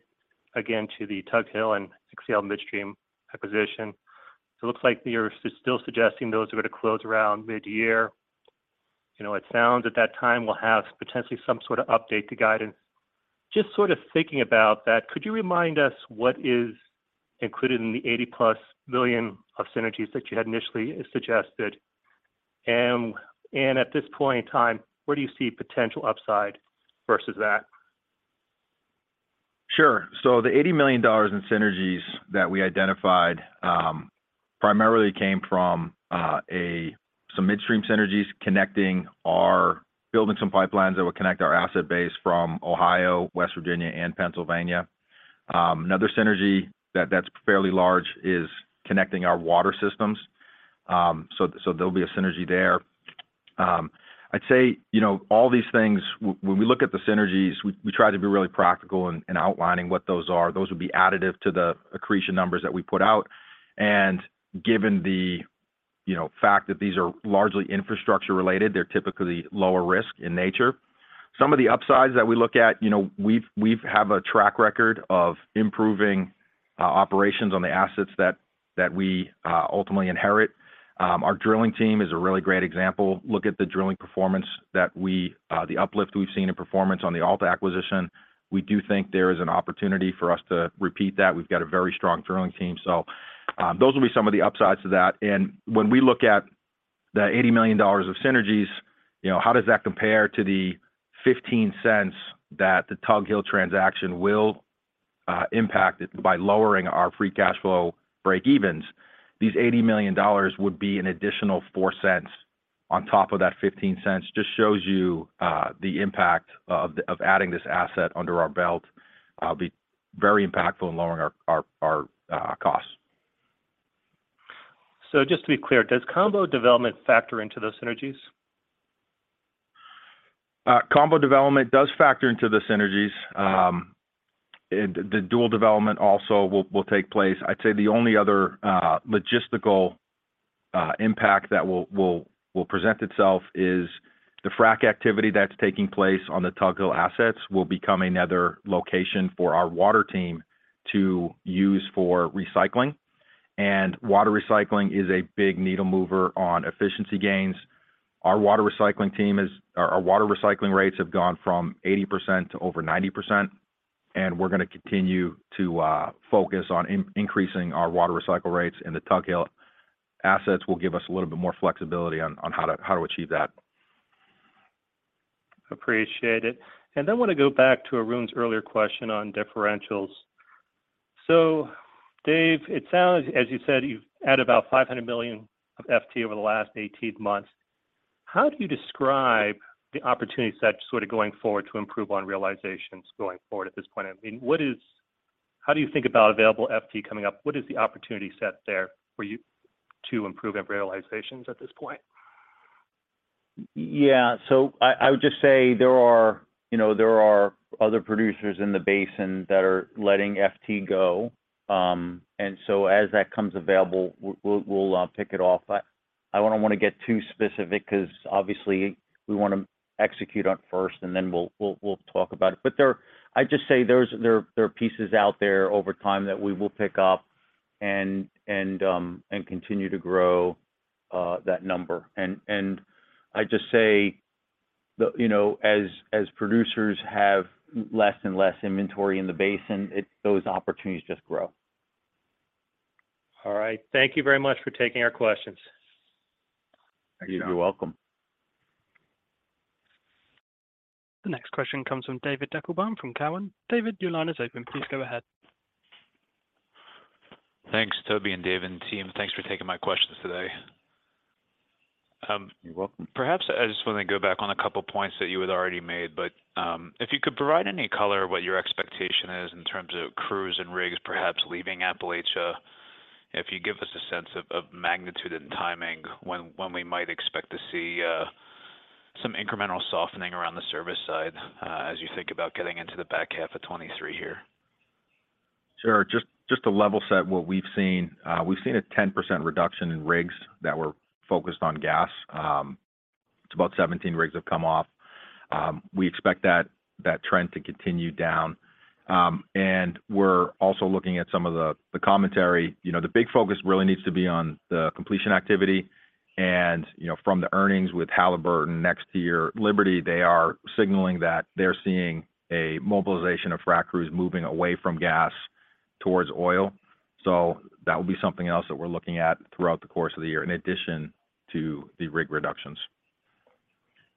again to the Tug Hill and XcL Midstream acquisition. It looks like you're still suggesting those are gonna close around mid-year. You know, it sounds at that time we'll have potentially some sort of update to guidance. Just sort of thinking about that, could you remind us what is included in the $80+ million of synergies that you had initially suggested? At this point in time, where do you see potential upside versus that? Sure. The $80 million in synergies that we identified, primarily came from some midstream synergies connecting our. Building some pipelines that would connect our asset base from Ohio, West Virginia, and Pennsylvania. Another synergy that's fairly large is connecting our water systems. There'll be a synergy there. I'd say, you know, all these things, when we look at the synergies, we try to be really practical in outlining what those are. Those would be additive to the accretion numbers that we put out. Given the, you know, fact that these are largely infrastructure related, they're typically lower risk in nature. Some of the upsides that we look at, you know, we've have a track record of improving operations on the assets that we ultimately inherit. Our drilling team is a really great example. Look at the drilling performance that we, the uplift we've seen in performance on the Alta acquisition. We do think there is an opportunity for us to repeat that. We've got a very strong drilling team. Those will be some of the upsides to that. When we look at the $80 million of synergies, you know, how does that compare to the $0.15 that the Tug Hill transaction will impact it by lowering our free cash flow breakevens? These $80 million would be an additional $0.04 on top of that $0.15. Just shows you, the impact of adding this asset under our belt, be very impactful in lowering our costs. Just to be clear, does combo development factor into those synergies? Combo development does factor into the synergies. The dual development also will take place. I'd say the only other logistical impact that will present itself is the frack activity that's taking place on the Tug Hill assets will become another location for our water team to use for recycling. Water recycling is a big needle mover on efficiency gains. Our water recycling rates have gone from 80% to over 90%, and we're gonna continue to focus on increasing our water recycle rates, and the Tug Hill assets will give us a little bit more flexibility on how to achieve that. Appreciate it. I wanna go back to Arun's earlier question on differentials. Dave, it sounds as you said, you've added about $500 million of FT over the last 18 months. How do you describe the opportunity set sort of going forward to improve on realizations going forward at this point? I mean, how do you think about available FT coming up? What is the opportunity set there for you to improve on realizations at this point? Yeah. I would just say there are, you know, there are other producers in the basin that are letting FT go. As that comes available, we'll pick it off. I wouldn't want to get too specific because obviously we want to execute on it first and then we'll talk about it. I'd just say there are pieces out there over time that we will pick up and continue to grow that number. I'd just say you know, as producers have less and less inventory in the basin, those opportunities just grow. All right. Thank you very much for taking our questions. Thank you. You're welcome. The next question comes from David Deckelbaum from Cowen. David, your line is open. Please go ahead. Thanks, Toby and Dave and team. Thanks for taking my questions today. You're welcome. Perhaps I just want to go back on a couple points that you had already made, if you could provide any color what your expectation is in terms of crews and rigs perhaps leaving Appalachia. If you give us a sense of magnitude and timing when we might expect to see some incremental softening around the service side, as you think about getting into the back half of 2023 here. Sure. Just to level set what we've seen. We've seen a 10% reduction in rigs that were focused on gas. It's about 17 rigs have come off. We expect that trend to continue down. We're also looking at some of the commentary. You know, the big focus really needs to be on the completion activity. You know, from the earnings with Halliburton next year, Liberty, they are signaling that they're seeing a mobilization of frac crews moving away from gas towards oil. That will be something else that we're looking at throughout the course of the year, in addition to the rig reductions.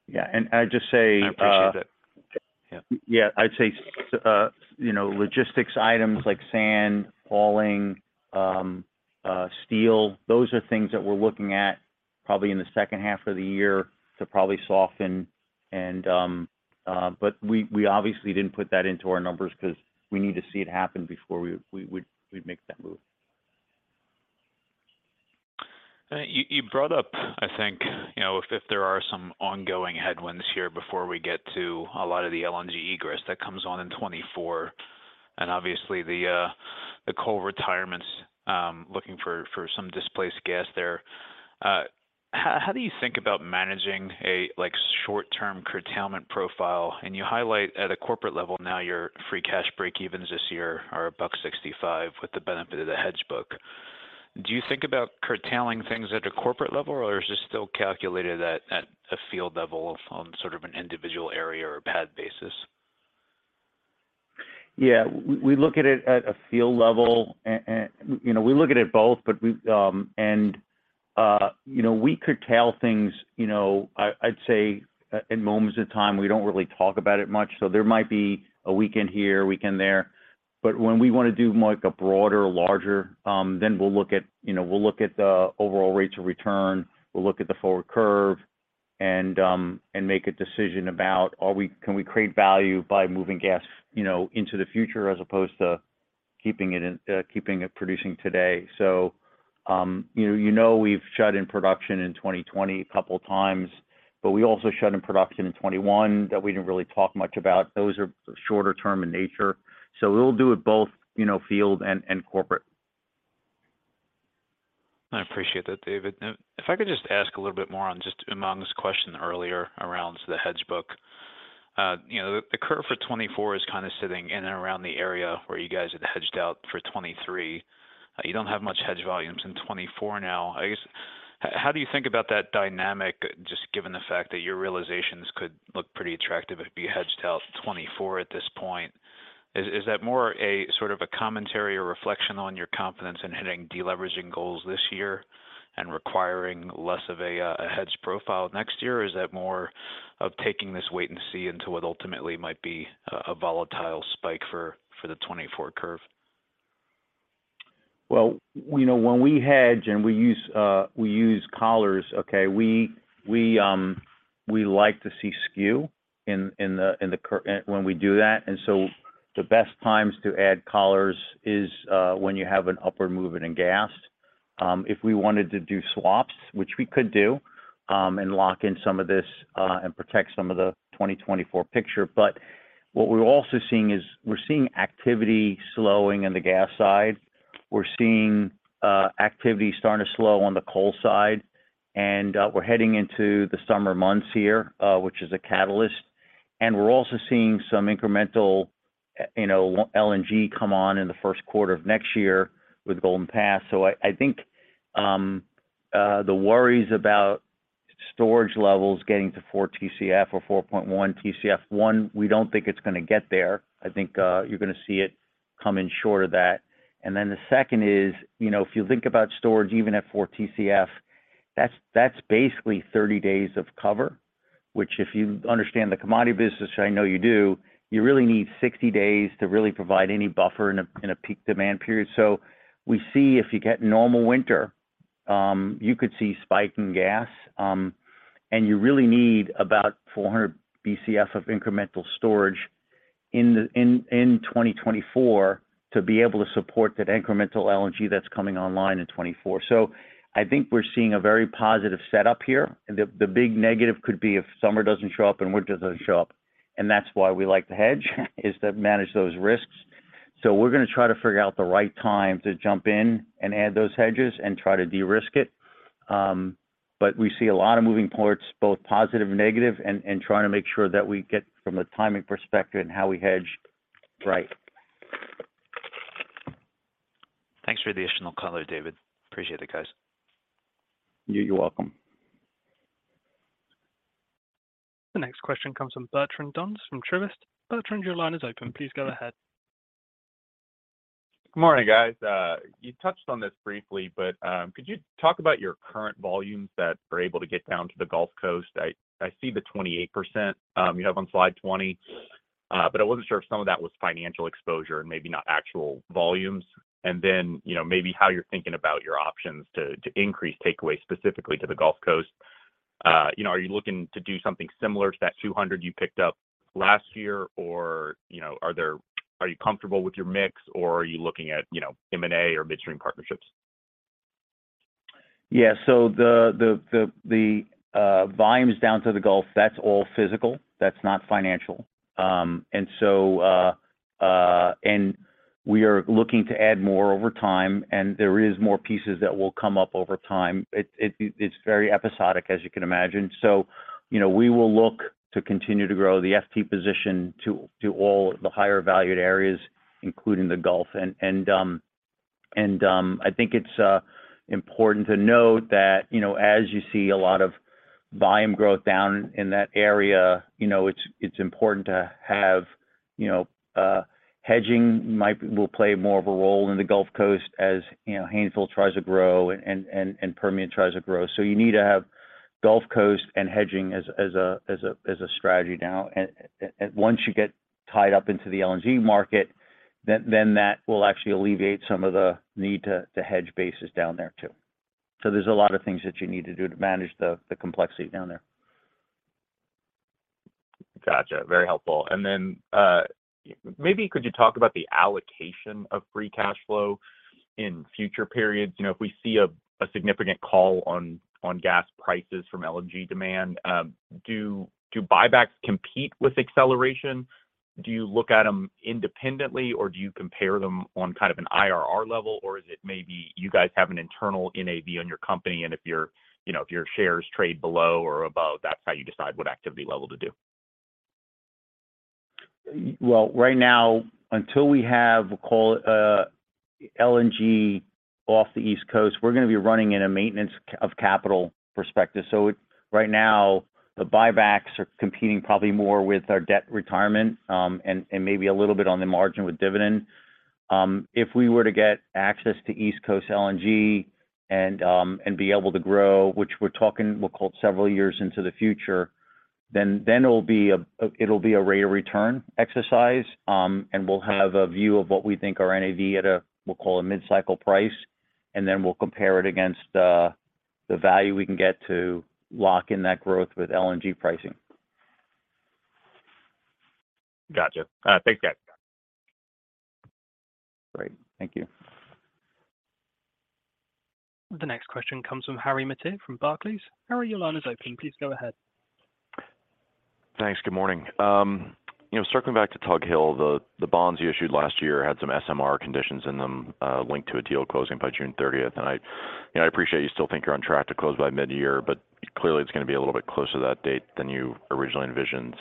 Yeah. I'd just say, I appreciate that. Yeah. Yeah. I'd say you know, logistics items like sand, hauling, steel, those are things that we're looking at probably in the second half of the year to probably soften. But we obviously didn't put that into our numbers because we need to see it happen before we would make that move. You brought up, I think, you know, if there are some ongoing headwinds here before we get to a lot of the LNG egress that comes on in 2024. Obviously the coal retirements, looking for some displaced gas there. How do you think about managing a like short-term curtailment profile? You highlight at a corporate level now your free cash breakevens this year are $1.65 with the benefit of the hedge book. Do you think about curtailing things at a corporate level, or is this still calculated at a field level on sort of an individual area or a pad basis? Yeah. We look at it at a field level. you know, we look at it both, but we. you know, we curtail things, you know, I'd say at moments in time, we don't really talk about it much. There might be a weekend here, a weekend there. When we want to do more like a broader, larger, we'll look at, you know, we'll look at the overall rates of return. We'll look at the forward curve and make a decision about can we create value by moving gas, you know, into the future as opposed to keeping it producing today. you know, we've shut in production in 2020 a couple times, We also shut in production in 2021 that we didn't really talk much about. Those are shorter term in nature. We'll do it both, you know, field and corporate. I appreciate that, David. If I could just ask a little bit more on just Umang's question earlier around the hedge book. You know, the curve for 2024 is kind of sitting in and around the area where you guys had hedged out for 2023. You don't have much hedge volumes in 2024 now. I guess, how do you think about that dynamic just given the fact that your realizations could look pretty attractive if you hedged out 2024 at this point? Is that more a sort of a commentary or reflection on your confidence in hitting deleveraging goals this year and requiring less of a hedge profile next year, or is that more of taking this wait and see into what ultimately might be a volatile spike for the 2024 curve? Well, you know, when we hedge and we use, we use collars, okay, we, We like to see skew in the, in the cur-- when we do that. The best times to add collars is when you have an upward movement in gas. If we wanted to do swaps, which we could do, and lock in some of this, and protect some of the 2024 picture. What we're also seeing is we're seeing activity slowing in the gas side. We're seeing activity starting to slow on the coal side, and we're heading into the summer months here, which is a catalyst. We're also seeing some incremental, you know, LNG come on in the first quarter of next year with Golden Pass. I think the worries about storage levels getting to four Tcf or 4.1 Tcf. One, we don't think it's gonna get there. I think you're gonna see it come in short of that. The second is, you know, if you think about storage even at four Tcf, that's basically 30 days of cover. Which if you understand the commodity business, which I know you do, you really need 60 days to really provide any buffer in a peak demand period. We see if you get normal winter, you could see spike in gas, and you really need about 400 Bcf of incremental storage in 2024 to be able to support that incremental LNG that's coming online in 2024. I think we're seeing a very positive setup here. The big negative could be if summer doesn't show up and winter doesn't show up, and that's why we like to hedge is to manage those risks. We're gonna try to figure out the right time to jump in and add those hedges and try to de-risk it. We see a lot of moving parts, both positive and negative, and trying to make sure that we get from a timing perspective and how we hedge right. Thanks for the additional color, David. Appreciate it, guys. You're welcome. The next question comes from Bertrand Donnes from Truist. Bertrand, your line is open. Please go ahead. Good morning, guys. You touched on this briefly, but could you talk about your current volumes that were able to get down to the Gulf Coast? I see the 28%, you have on slide 20. I wasn't sure if some of that was financial exposure and maybe not actual volumes. You know, maybe how you're thinking about your options to increase takeaway specifically to the Gulf Coast. You know, are you looking to do something similar to that 200 you picked up last year? You know, are you comfortable with your mix, or are you looking at, you know, M&A or midstream partnerships? Yeah. The volumes down to the Gulf, that's all physical. That's not financial. We are looking to add more over time, and there is more pieces that will come up over time. It's very episodic, as you can imagine. You know, we will look to continue to grow the FT position to all the higher valued areas, including the Gulf. I think it's important to note that, you know, as you see a lot of volume growth down in that area, you know, it's important to have, you know, hedging will play more of a role in the Gulf Coast as, you know, Haynesville tries to grow and Permian tries to grow. You need to have Gulf Coast and hedging as a strategy now. Once you get tied up into the LNG market, that will actually alleviate some of the need to hedge bases down there too. There's a lot of things that you need to do to manage the complexity down there. Gotcha. Very helpful. Maybe could you talk about the allocation of free cash flow in future periods? You know, if we see a significant call on gas prices from LNG demand, do buybacks compete with acceleration? Do you look at them independently, or do you compare them on kind of an IRR level? Is it maybe you guys have an internal NAV on your company, and if your, you know, if your shares trade below or above, that's how you decide what activity level to do? Well, right now, until we have LNG off the East Coast, we're gonna be running in a maintenance of capital perspective. right now, the buybacks are competing probably more with our debt retirement, and maybe a little bit on the margin with dividend. If we were to get access to East Coast LNG and be able to grow, which we're talking, we'll call it several years into the future, then it'll be a rate of return exercise. We'll have a view of what we think our NAV at a, we'll call a mid-cycle price, and then we'll compare it against the value we can get to lock in that growth with LNG pricing. Gotcha. Thanks, guys. Great. Thank you. The next question comes from Harry Mateer from Barclays. Harry, your line is open. Please go ahead. Thanks. Good morning. you know, circling back to Tug Hill, the bonds you issued last year had some SMR conditions in them, linked to a deal closing by June 30th. I, you know, I appreciate you still think you're on track to close by mid-year, but clearly it's gonna be a little bit closer to that date than you originally envisioned.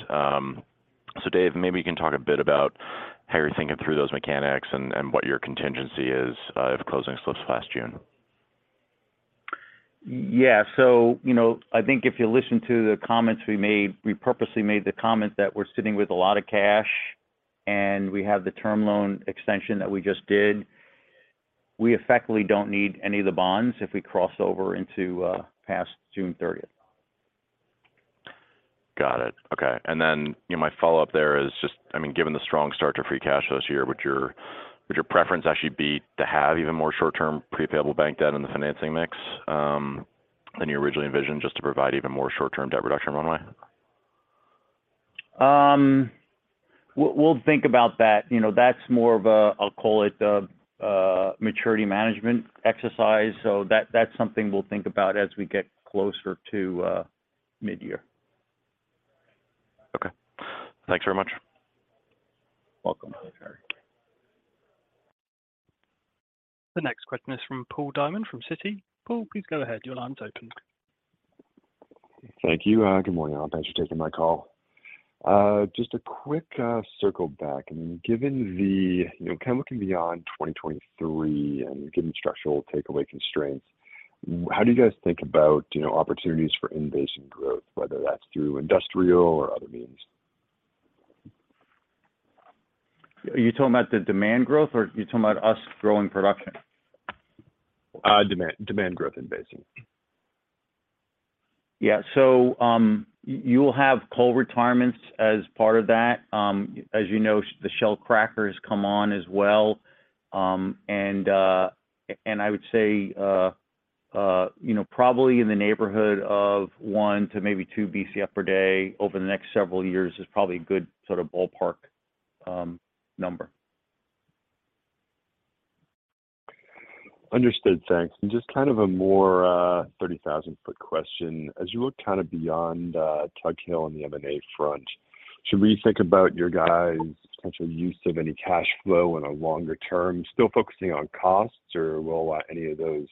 David Khani, maybe you can talk a bit about how you're thinking through those mechanics and what your contingency is if closing slips past June. Yeah. You know, I think if you listen to the comments we made, we purposely made the comment that we're sitting with a lot of cash, and we have the term loan extension that we just did. We effectively don't need any of the bonds if we cross over into past June 30th. Got it. Okay. You know, my follow-up there is just, I mean, given the strong start to free cash flow this year, would your preference actually be to have even more short-term pre-payable bank debt in the financing mix than you originally envisioned just to provide even more short-term debt reduction runway? We'll think about that. You know, that's more of a, I'll call it, maturity management exercise. That's something we'll think about as we get closer to midyear. Okay. Thanks very much. Welcome. The next question is from Paul Diamond, from Citi. Paul, please go ahead. Your line's open. Thank you. Good morning, all. Thanks for taking my call. Just a quick circle back. You know, kind of looking beyond 2023 and given structural takeaway constraints, how do you guys think about, you know, opportunities for in-basin growth, whether that's through industrial or other means? Are you talking about the demand growth, or are you talking about us growing production? Demand growth in-basin. Yeah. You will have coal retirements as part of that. As you know, the Shell crackers come on as well. I would say, you know, probably in the neighborhood of one to maybe two Bcf per day over the next several years is probably a good sort of ballpark number. Understood. Thanks. Just kind of a more, 30,000-foot question. As you look kind of beyond, Tug Hill on the M&A front, should we think about your guys' potential use of any cash flow in a longer term, still focusing on costs? Or will any of those,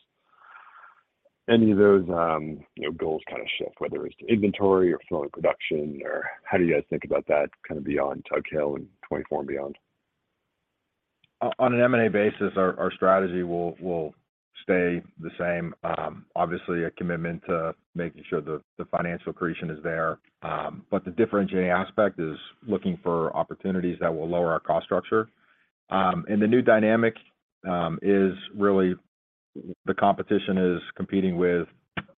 you know, goals kind of shift, whether it's inventory or flow and production, or how do you guys think about that kind of beyond Tug Hill and 2024 and beyond? On an M&A basis, our strategy will stay the same. Obviously a commitment to making sure the financial accretion is there. The differentiating aspect is looking for opportunities that will lower our cost structure. The new dynamic is really the competition is competing with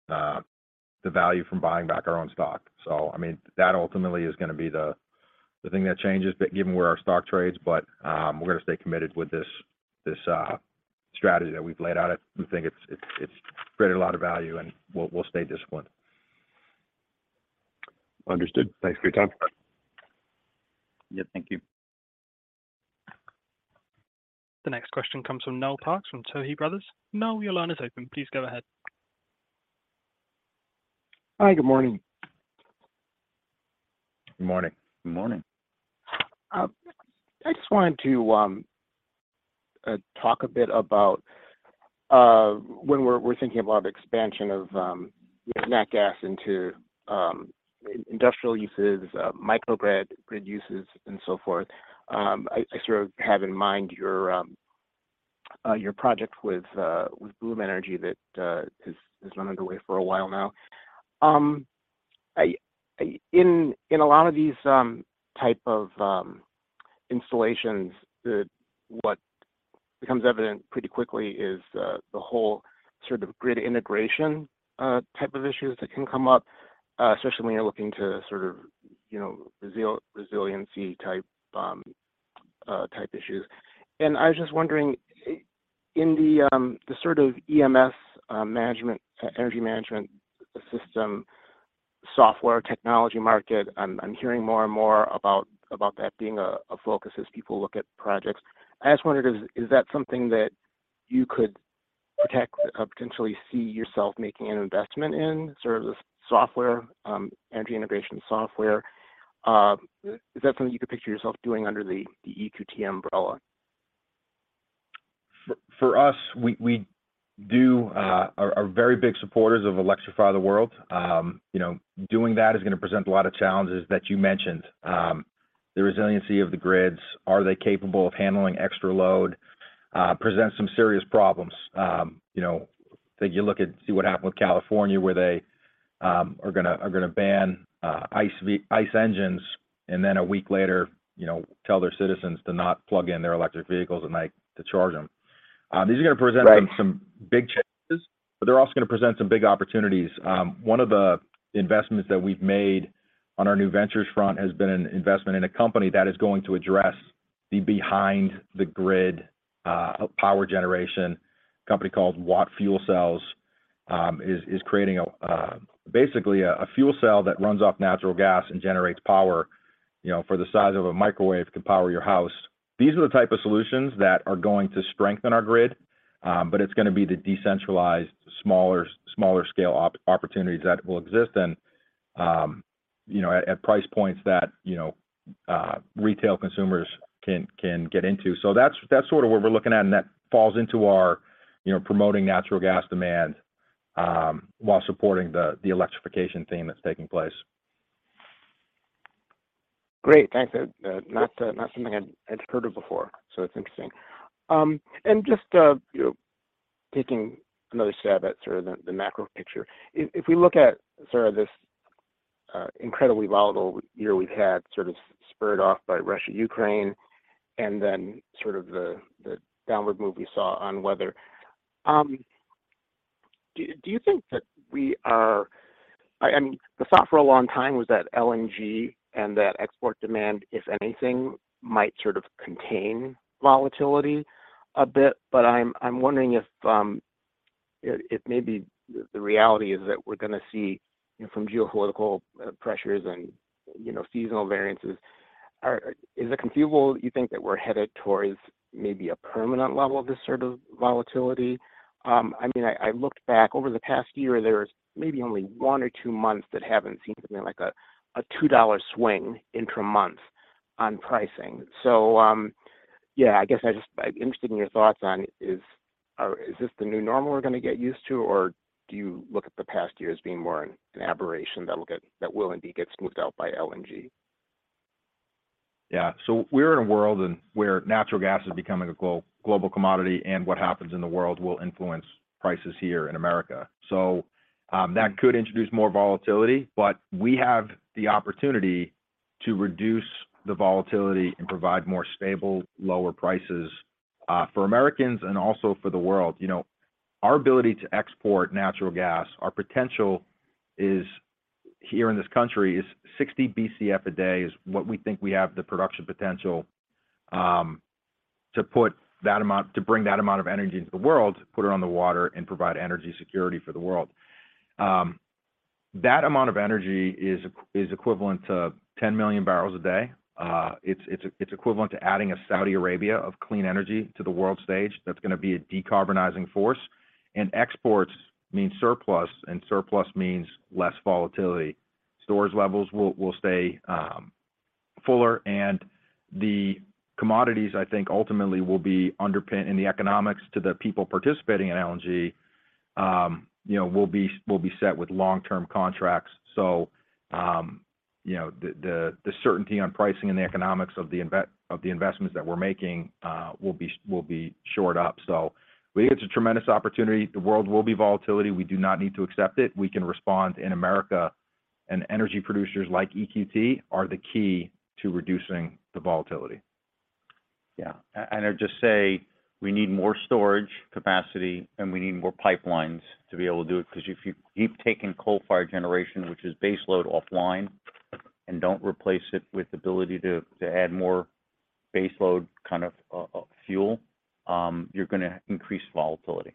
the value from buying back our own stock. I mean, that ultimately is gonna be the thing that changes given where our stock trades. We're gonna stay committed with this strategy that we've laid out. We think it's created a lot of value and we'll stay disciplined. Understood. Thanks for your time. Yeah, thank you. The next question comes from Noel Parks from Tuohy Brothers. Noel, your line is open. Please go ahead. Hi, good morning. Good morning. Good morning. I just wanted to talk a bit about when we're thinking about expansion of nat gas into industrial uses, microgrid, grid uses, and so forth. I sort of have in mind your project with Bloom Energy that has been underway for a while now. In a lot of these type of installations, what becomes evident pretty quickly is the whole sort of grid integration type of issues that can come up, especially when you're looking to sort of, you know, resiliency type issues. I was just wondering in the sort of EMS, management, energy management system software technology market, I'm hearing more and more about that being a focus as people look at projects. I just wondered, is that something that you could potentially see yourself making an investment in, sort of the software, energy integration software? Is that something you could picture yourself doing under the EQT umbrella? For us, we do are very big supporters of Electrify the World. You know, doing that is gonna present a lot of challenges that you mentioned. The resiliency of the grids, are they capable of handling extra load, presents some serious problems. You know, you look at see what happened with California, where they are gonna ban ice engines, and then a week later, you know, tell their citizens to not plug in their electric vehicles at night to charge them. These are gonna present. Right.... some big challenges, but they're also gonna present some big opportunities. One of the investments that we've made on our new ventures front has been an investment in a company that is going to address the behind the grid, power generation company called WATT Fuel Cell, is creating basically a fuel cell that runs off natural gas and generates power, you know, for the size of a microwave, could power your house. These are the type of solutions that are going to strengthen our grid, but it's gonna be the decentralized, smaller scale opportunities that will exist and, you know, at price points that, you know, retail consumers can get into. That's sort of what we're looking at, and that falls into our, you know, promoting natural gas demand, while supporting the electrification theme that's taking place. Great. Thanks. That not something I'd heard of before, so it's interesting. Just, you know, taking another stab at sort of the macro picture. If we look at sort of this incredibly volatile year we've had sort of spurred off by Russia-Ukraine and then sort of the downward move we saw on weather. Do you think that we are? I mean, the thought for a long time was that LNG and that export demand, if anything, might sort of contain volatility a bit. I'm wondering if it may be the reality is that we're gonna see, you know, from geopolitical pressures and, you know, seasonal variances. Is it conceivable you think that we're headed towards maybe a permanent level of this sort of volatility? I mean, I looked back. Over the past year, there's maybe only one or two months that haven't seen something like a $2 swing intra-month on pricing. Yeah, I'm interested in your thoughts on is this the new normal we're gonna get used to, or do you look at the past year as being more an aberration that will indeed get smoothed out by LNG? Yeah. We're in a world where natural gas is becoming a global commodity, and what happens in the world will influence prices here in America. That could introduce more volatility, but we have the opportunity to reduce the volatility and provide more stable, lower prices for Americans and also for the world. You know, our ability to export natural gas, our potential is, here in this country, is 60 Bcf a day is what we think we have the production potential to bring that amount of energy into the world, put it on the water, and provide energy security for the world. That amount of energy is equivalent to 10 million barrels a day. It's equivalent to adding a Saudi Arabia of clean energy to the world stage. That's gonna be a decarbonizing force. Exports mean surplus, and surplus means less volatility. Storage levels will stay fuller, and the commodities, I think, ultimately will be underpinned in the economics to the people participating in LNG, you know, will be set with long-term contracts. You know, the certainty on pricing and the economics of the investments that we're making, will be shored up. We think it's a tremendous opportunity. The world will be volatility. We do not need to accept it. We can respond in America, and energy producers like EQT are the key to reducing the volatility. Yeah. I'd just say we need more storage capacity, and we need more pipelines to be able to do it because if you keep taking coal fire generation, which is base load offline, and don't replace it with ability to add more base load kind of fuel, you're gonna increase volatility.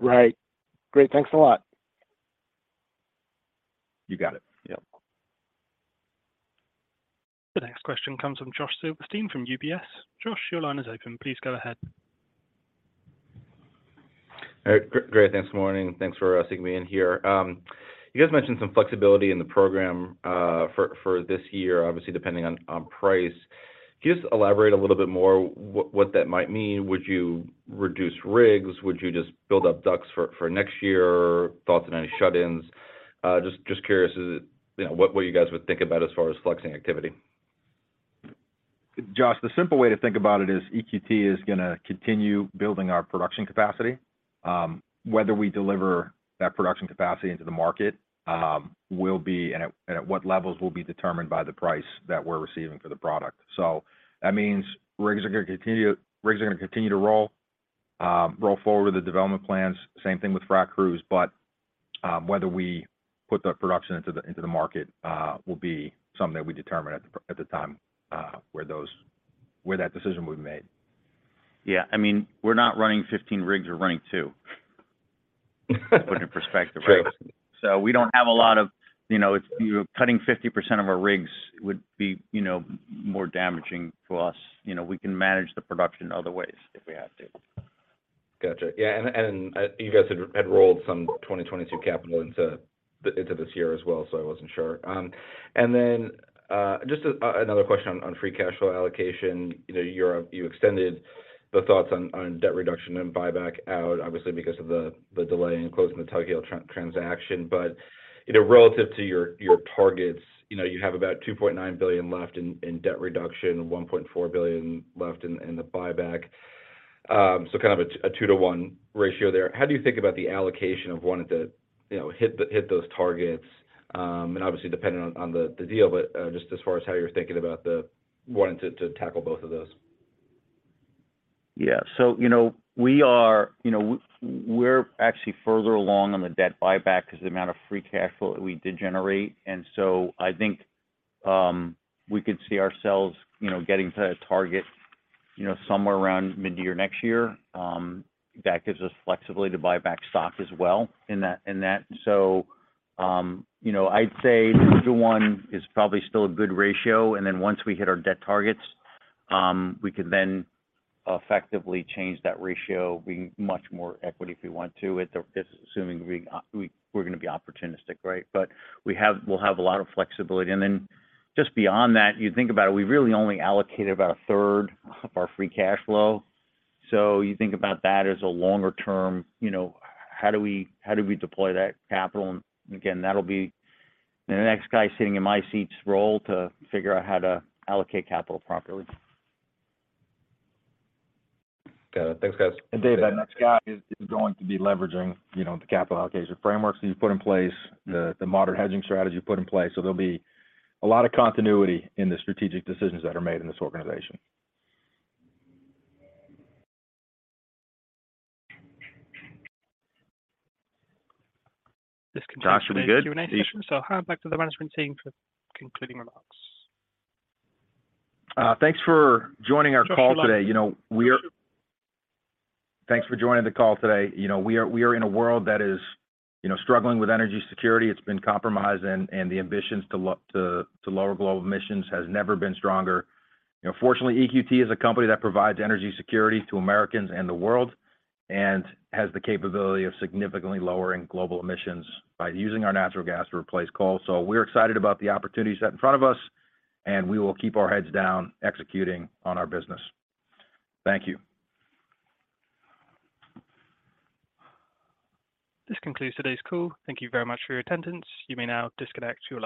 Right. Great. Thanks a lot. You got it. Yep. The next question comes from Josh Silverstein from UBS. Josh, your line is open. Please go ahead. All right. Great. Thanks, morning. Thanks for seeing me in here. You guys mentioned some flexibility in the program for this year, obviously depending on price. Can you just elaborate a little bit more what that might mean? Would you reduce rigs? Would you just build up DUCs for next year? Thoughts on any shut-ins? Just curious, is it, you know, what you guys would think about as far as flexing activity? Josh, the simple way to think about it is EQT is gonna continue building our production capacity. Whether we deliver that production capacity into the market, will be and at what levels will be determined by the price that we're receiving for the product. That means rigs are gonna continue to roll forward with the development plans. Same thing with frac crews. Whether we put the production into the market, will be something that we determine at the time, where that decision will be made. Yeah. I mean, we're not running 15 rigs. We're running two. To put it in perspective. Right. We don't have a lot of, you know, cutting 50% of our rigs would be, you know, more damaging to us. We can manage the production other ways if we have to. Gotcha. Yeah. You guys had rolled some 2022 capital into this year as well, so I wasn't sure. Just another question on free cash flow allocation. You know, you extended the thoughts on debt reduction and buyback out obviously because of the delay in closing the Tug Hill transaction. You know, relative to your targets, you know, you have about $2.9 billion left in debt reduction and $1.4 billion left in the buyback, so kind of a 2-1 ratio there. How do you think about the allocation of wanting to, you know, hit those targets, and obviously depending on the deal, but, just as far as how you're thinking about the wanting to tackle both of those? Yeah. You know, we are, you know, we're actually further along on the debt buyback 'cause the amount of free cash flow we did generate. I think, we could see ourselves, you know, getting to target, you know, somewhere around mid-year next year. That gives us flexibility to buy back stock as well in that. You know, I'd say 2-1 is probably still a good ratio. Once we hit our debt targets, we could then effectively change that ratio, be much more equity if we want to at the. This is assuming we're gonna be opportunistic, right? But we'll have a lot of flexibility. Just beyond that, you think about it, we really only allocated about a third of our free cash flow. You think about that as a longer term, you know, how do we deploy that capital? Again, that'll be the next guy sitting in my seat's role to figure out how to allocate capital properly. Got it. Thanks, guys. Dave, that next guy is going to be leveraging, you know, the capital allocation frameworks that you've put in place. Yeah. The modern hedging strategy you put in place. There'll be a lot of continuity in the strategic decisions that are made in this organization. This concludes. Josh, Today's Q&A session. I'll hand it back to the management team for concluding remarks. Thanks for joining our call today. You know, we are-. Thanks for joining the call today. You know, we are in a world that is, you know, struggling with energy security. It's been compromised. The ambitions to lower global emissions has never been stronger. You know, fortunately, EQT is a company that provides energy security to Americans and the world, and has the capability of significantly lowering global emissions by using our natural gas to replace coal. We're excited about the opportunities set in front of us, and we will keep our heads down executing on our business. Thank you. This concludes today's call. Thank you very much for your attendance. You may now disconnect.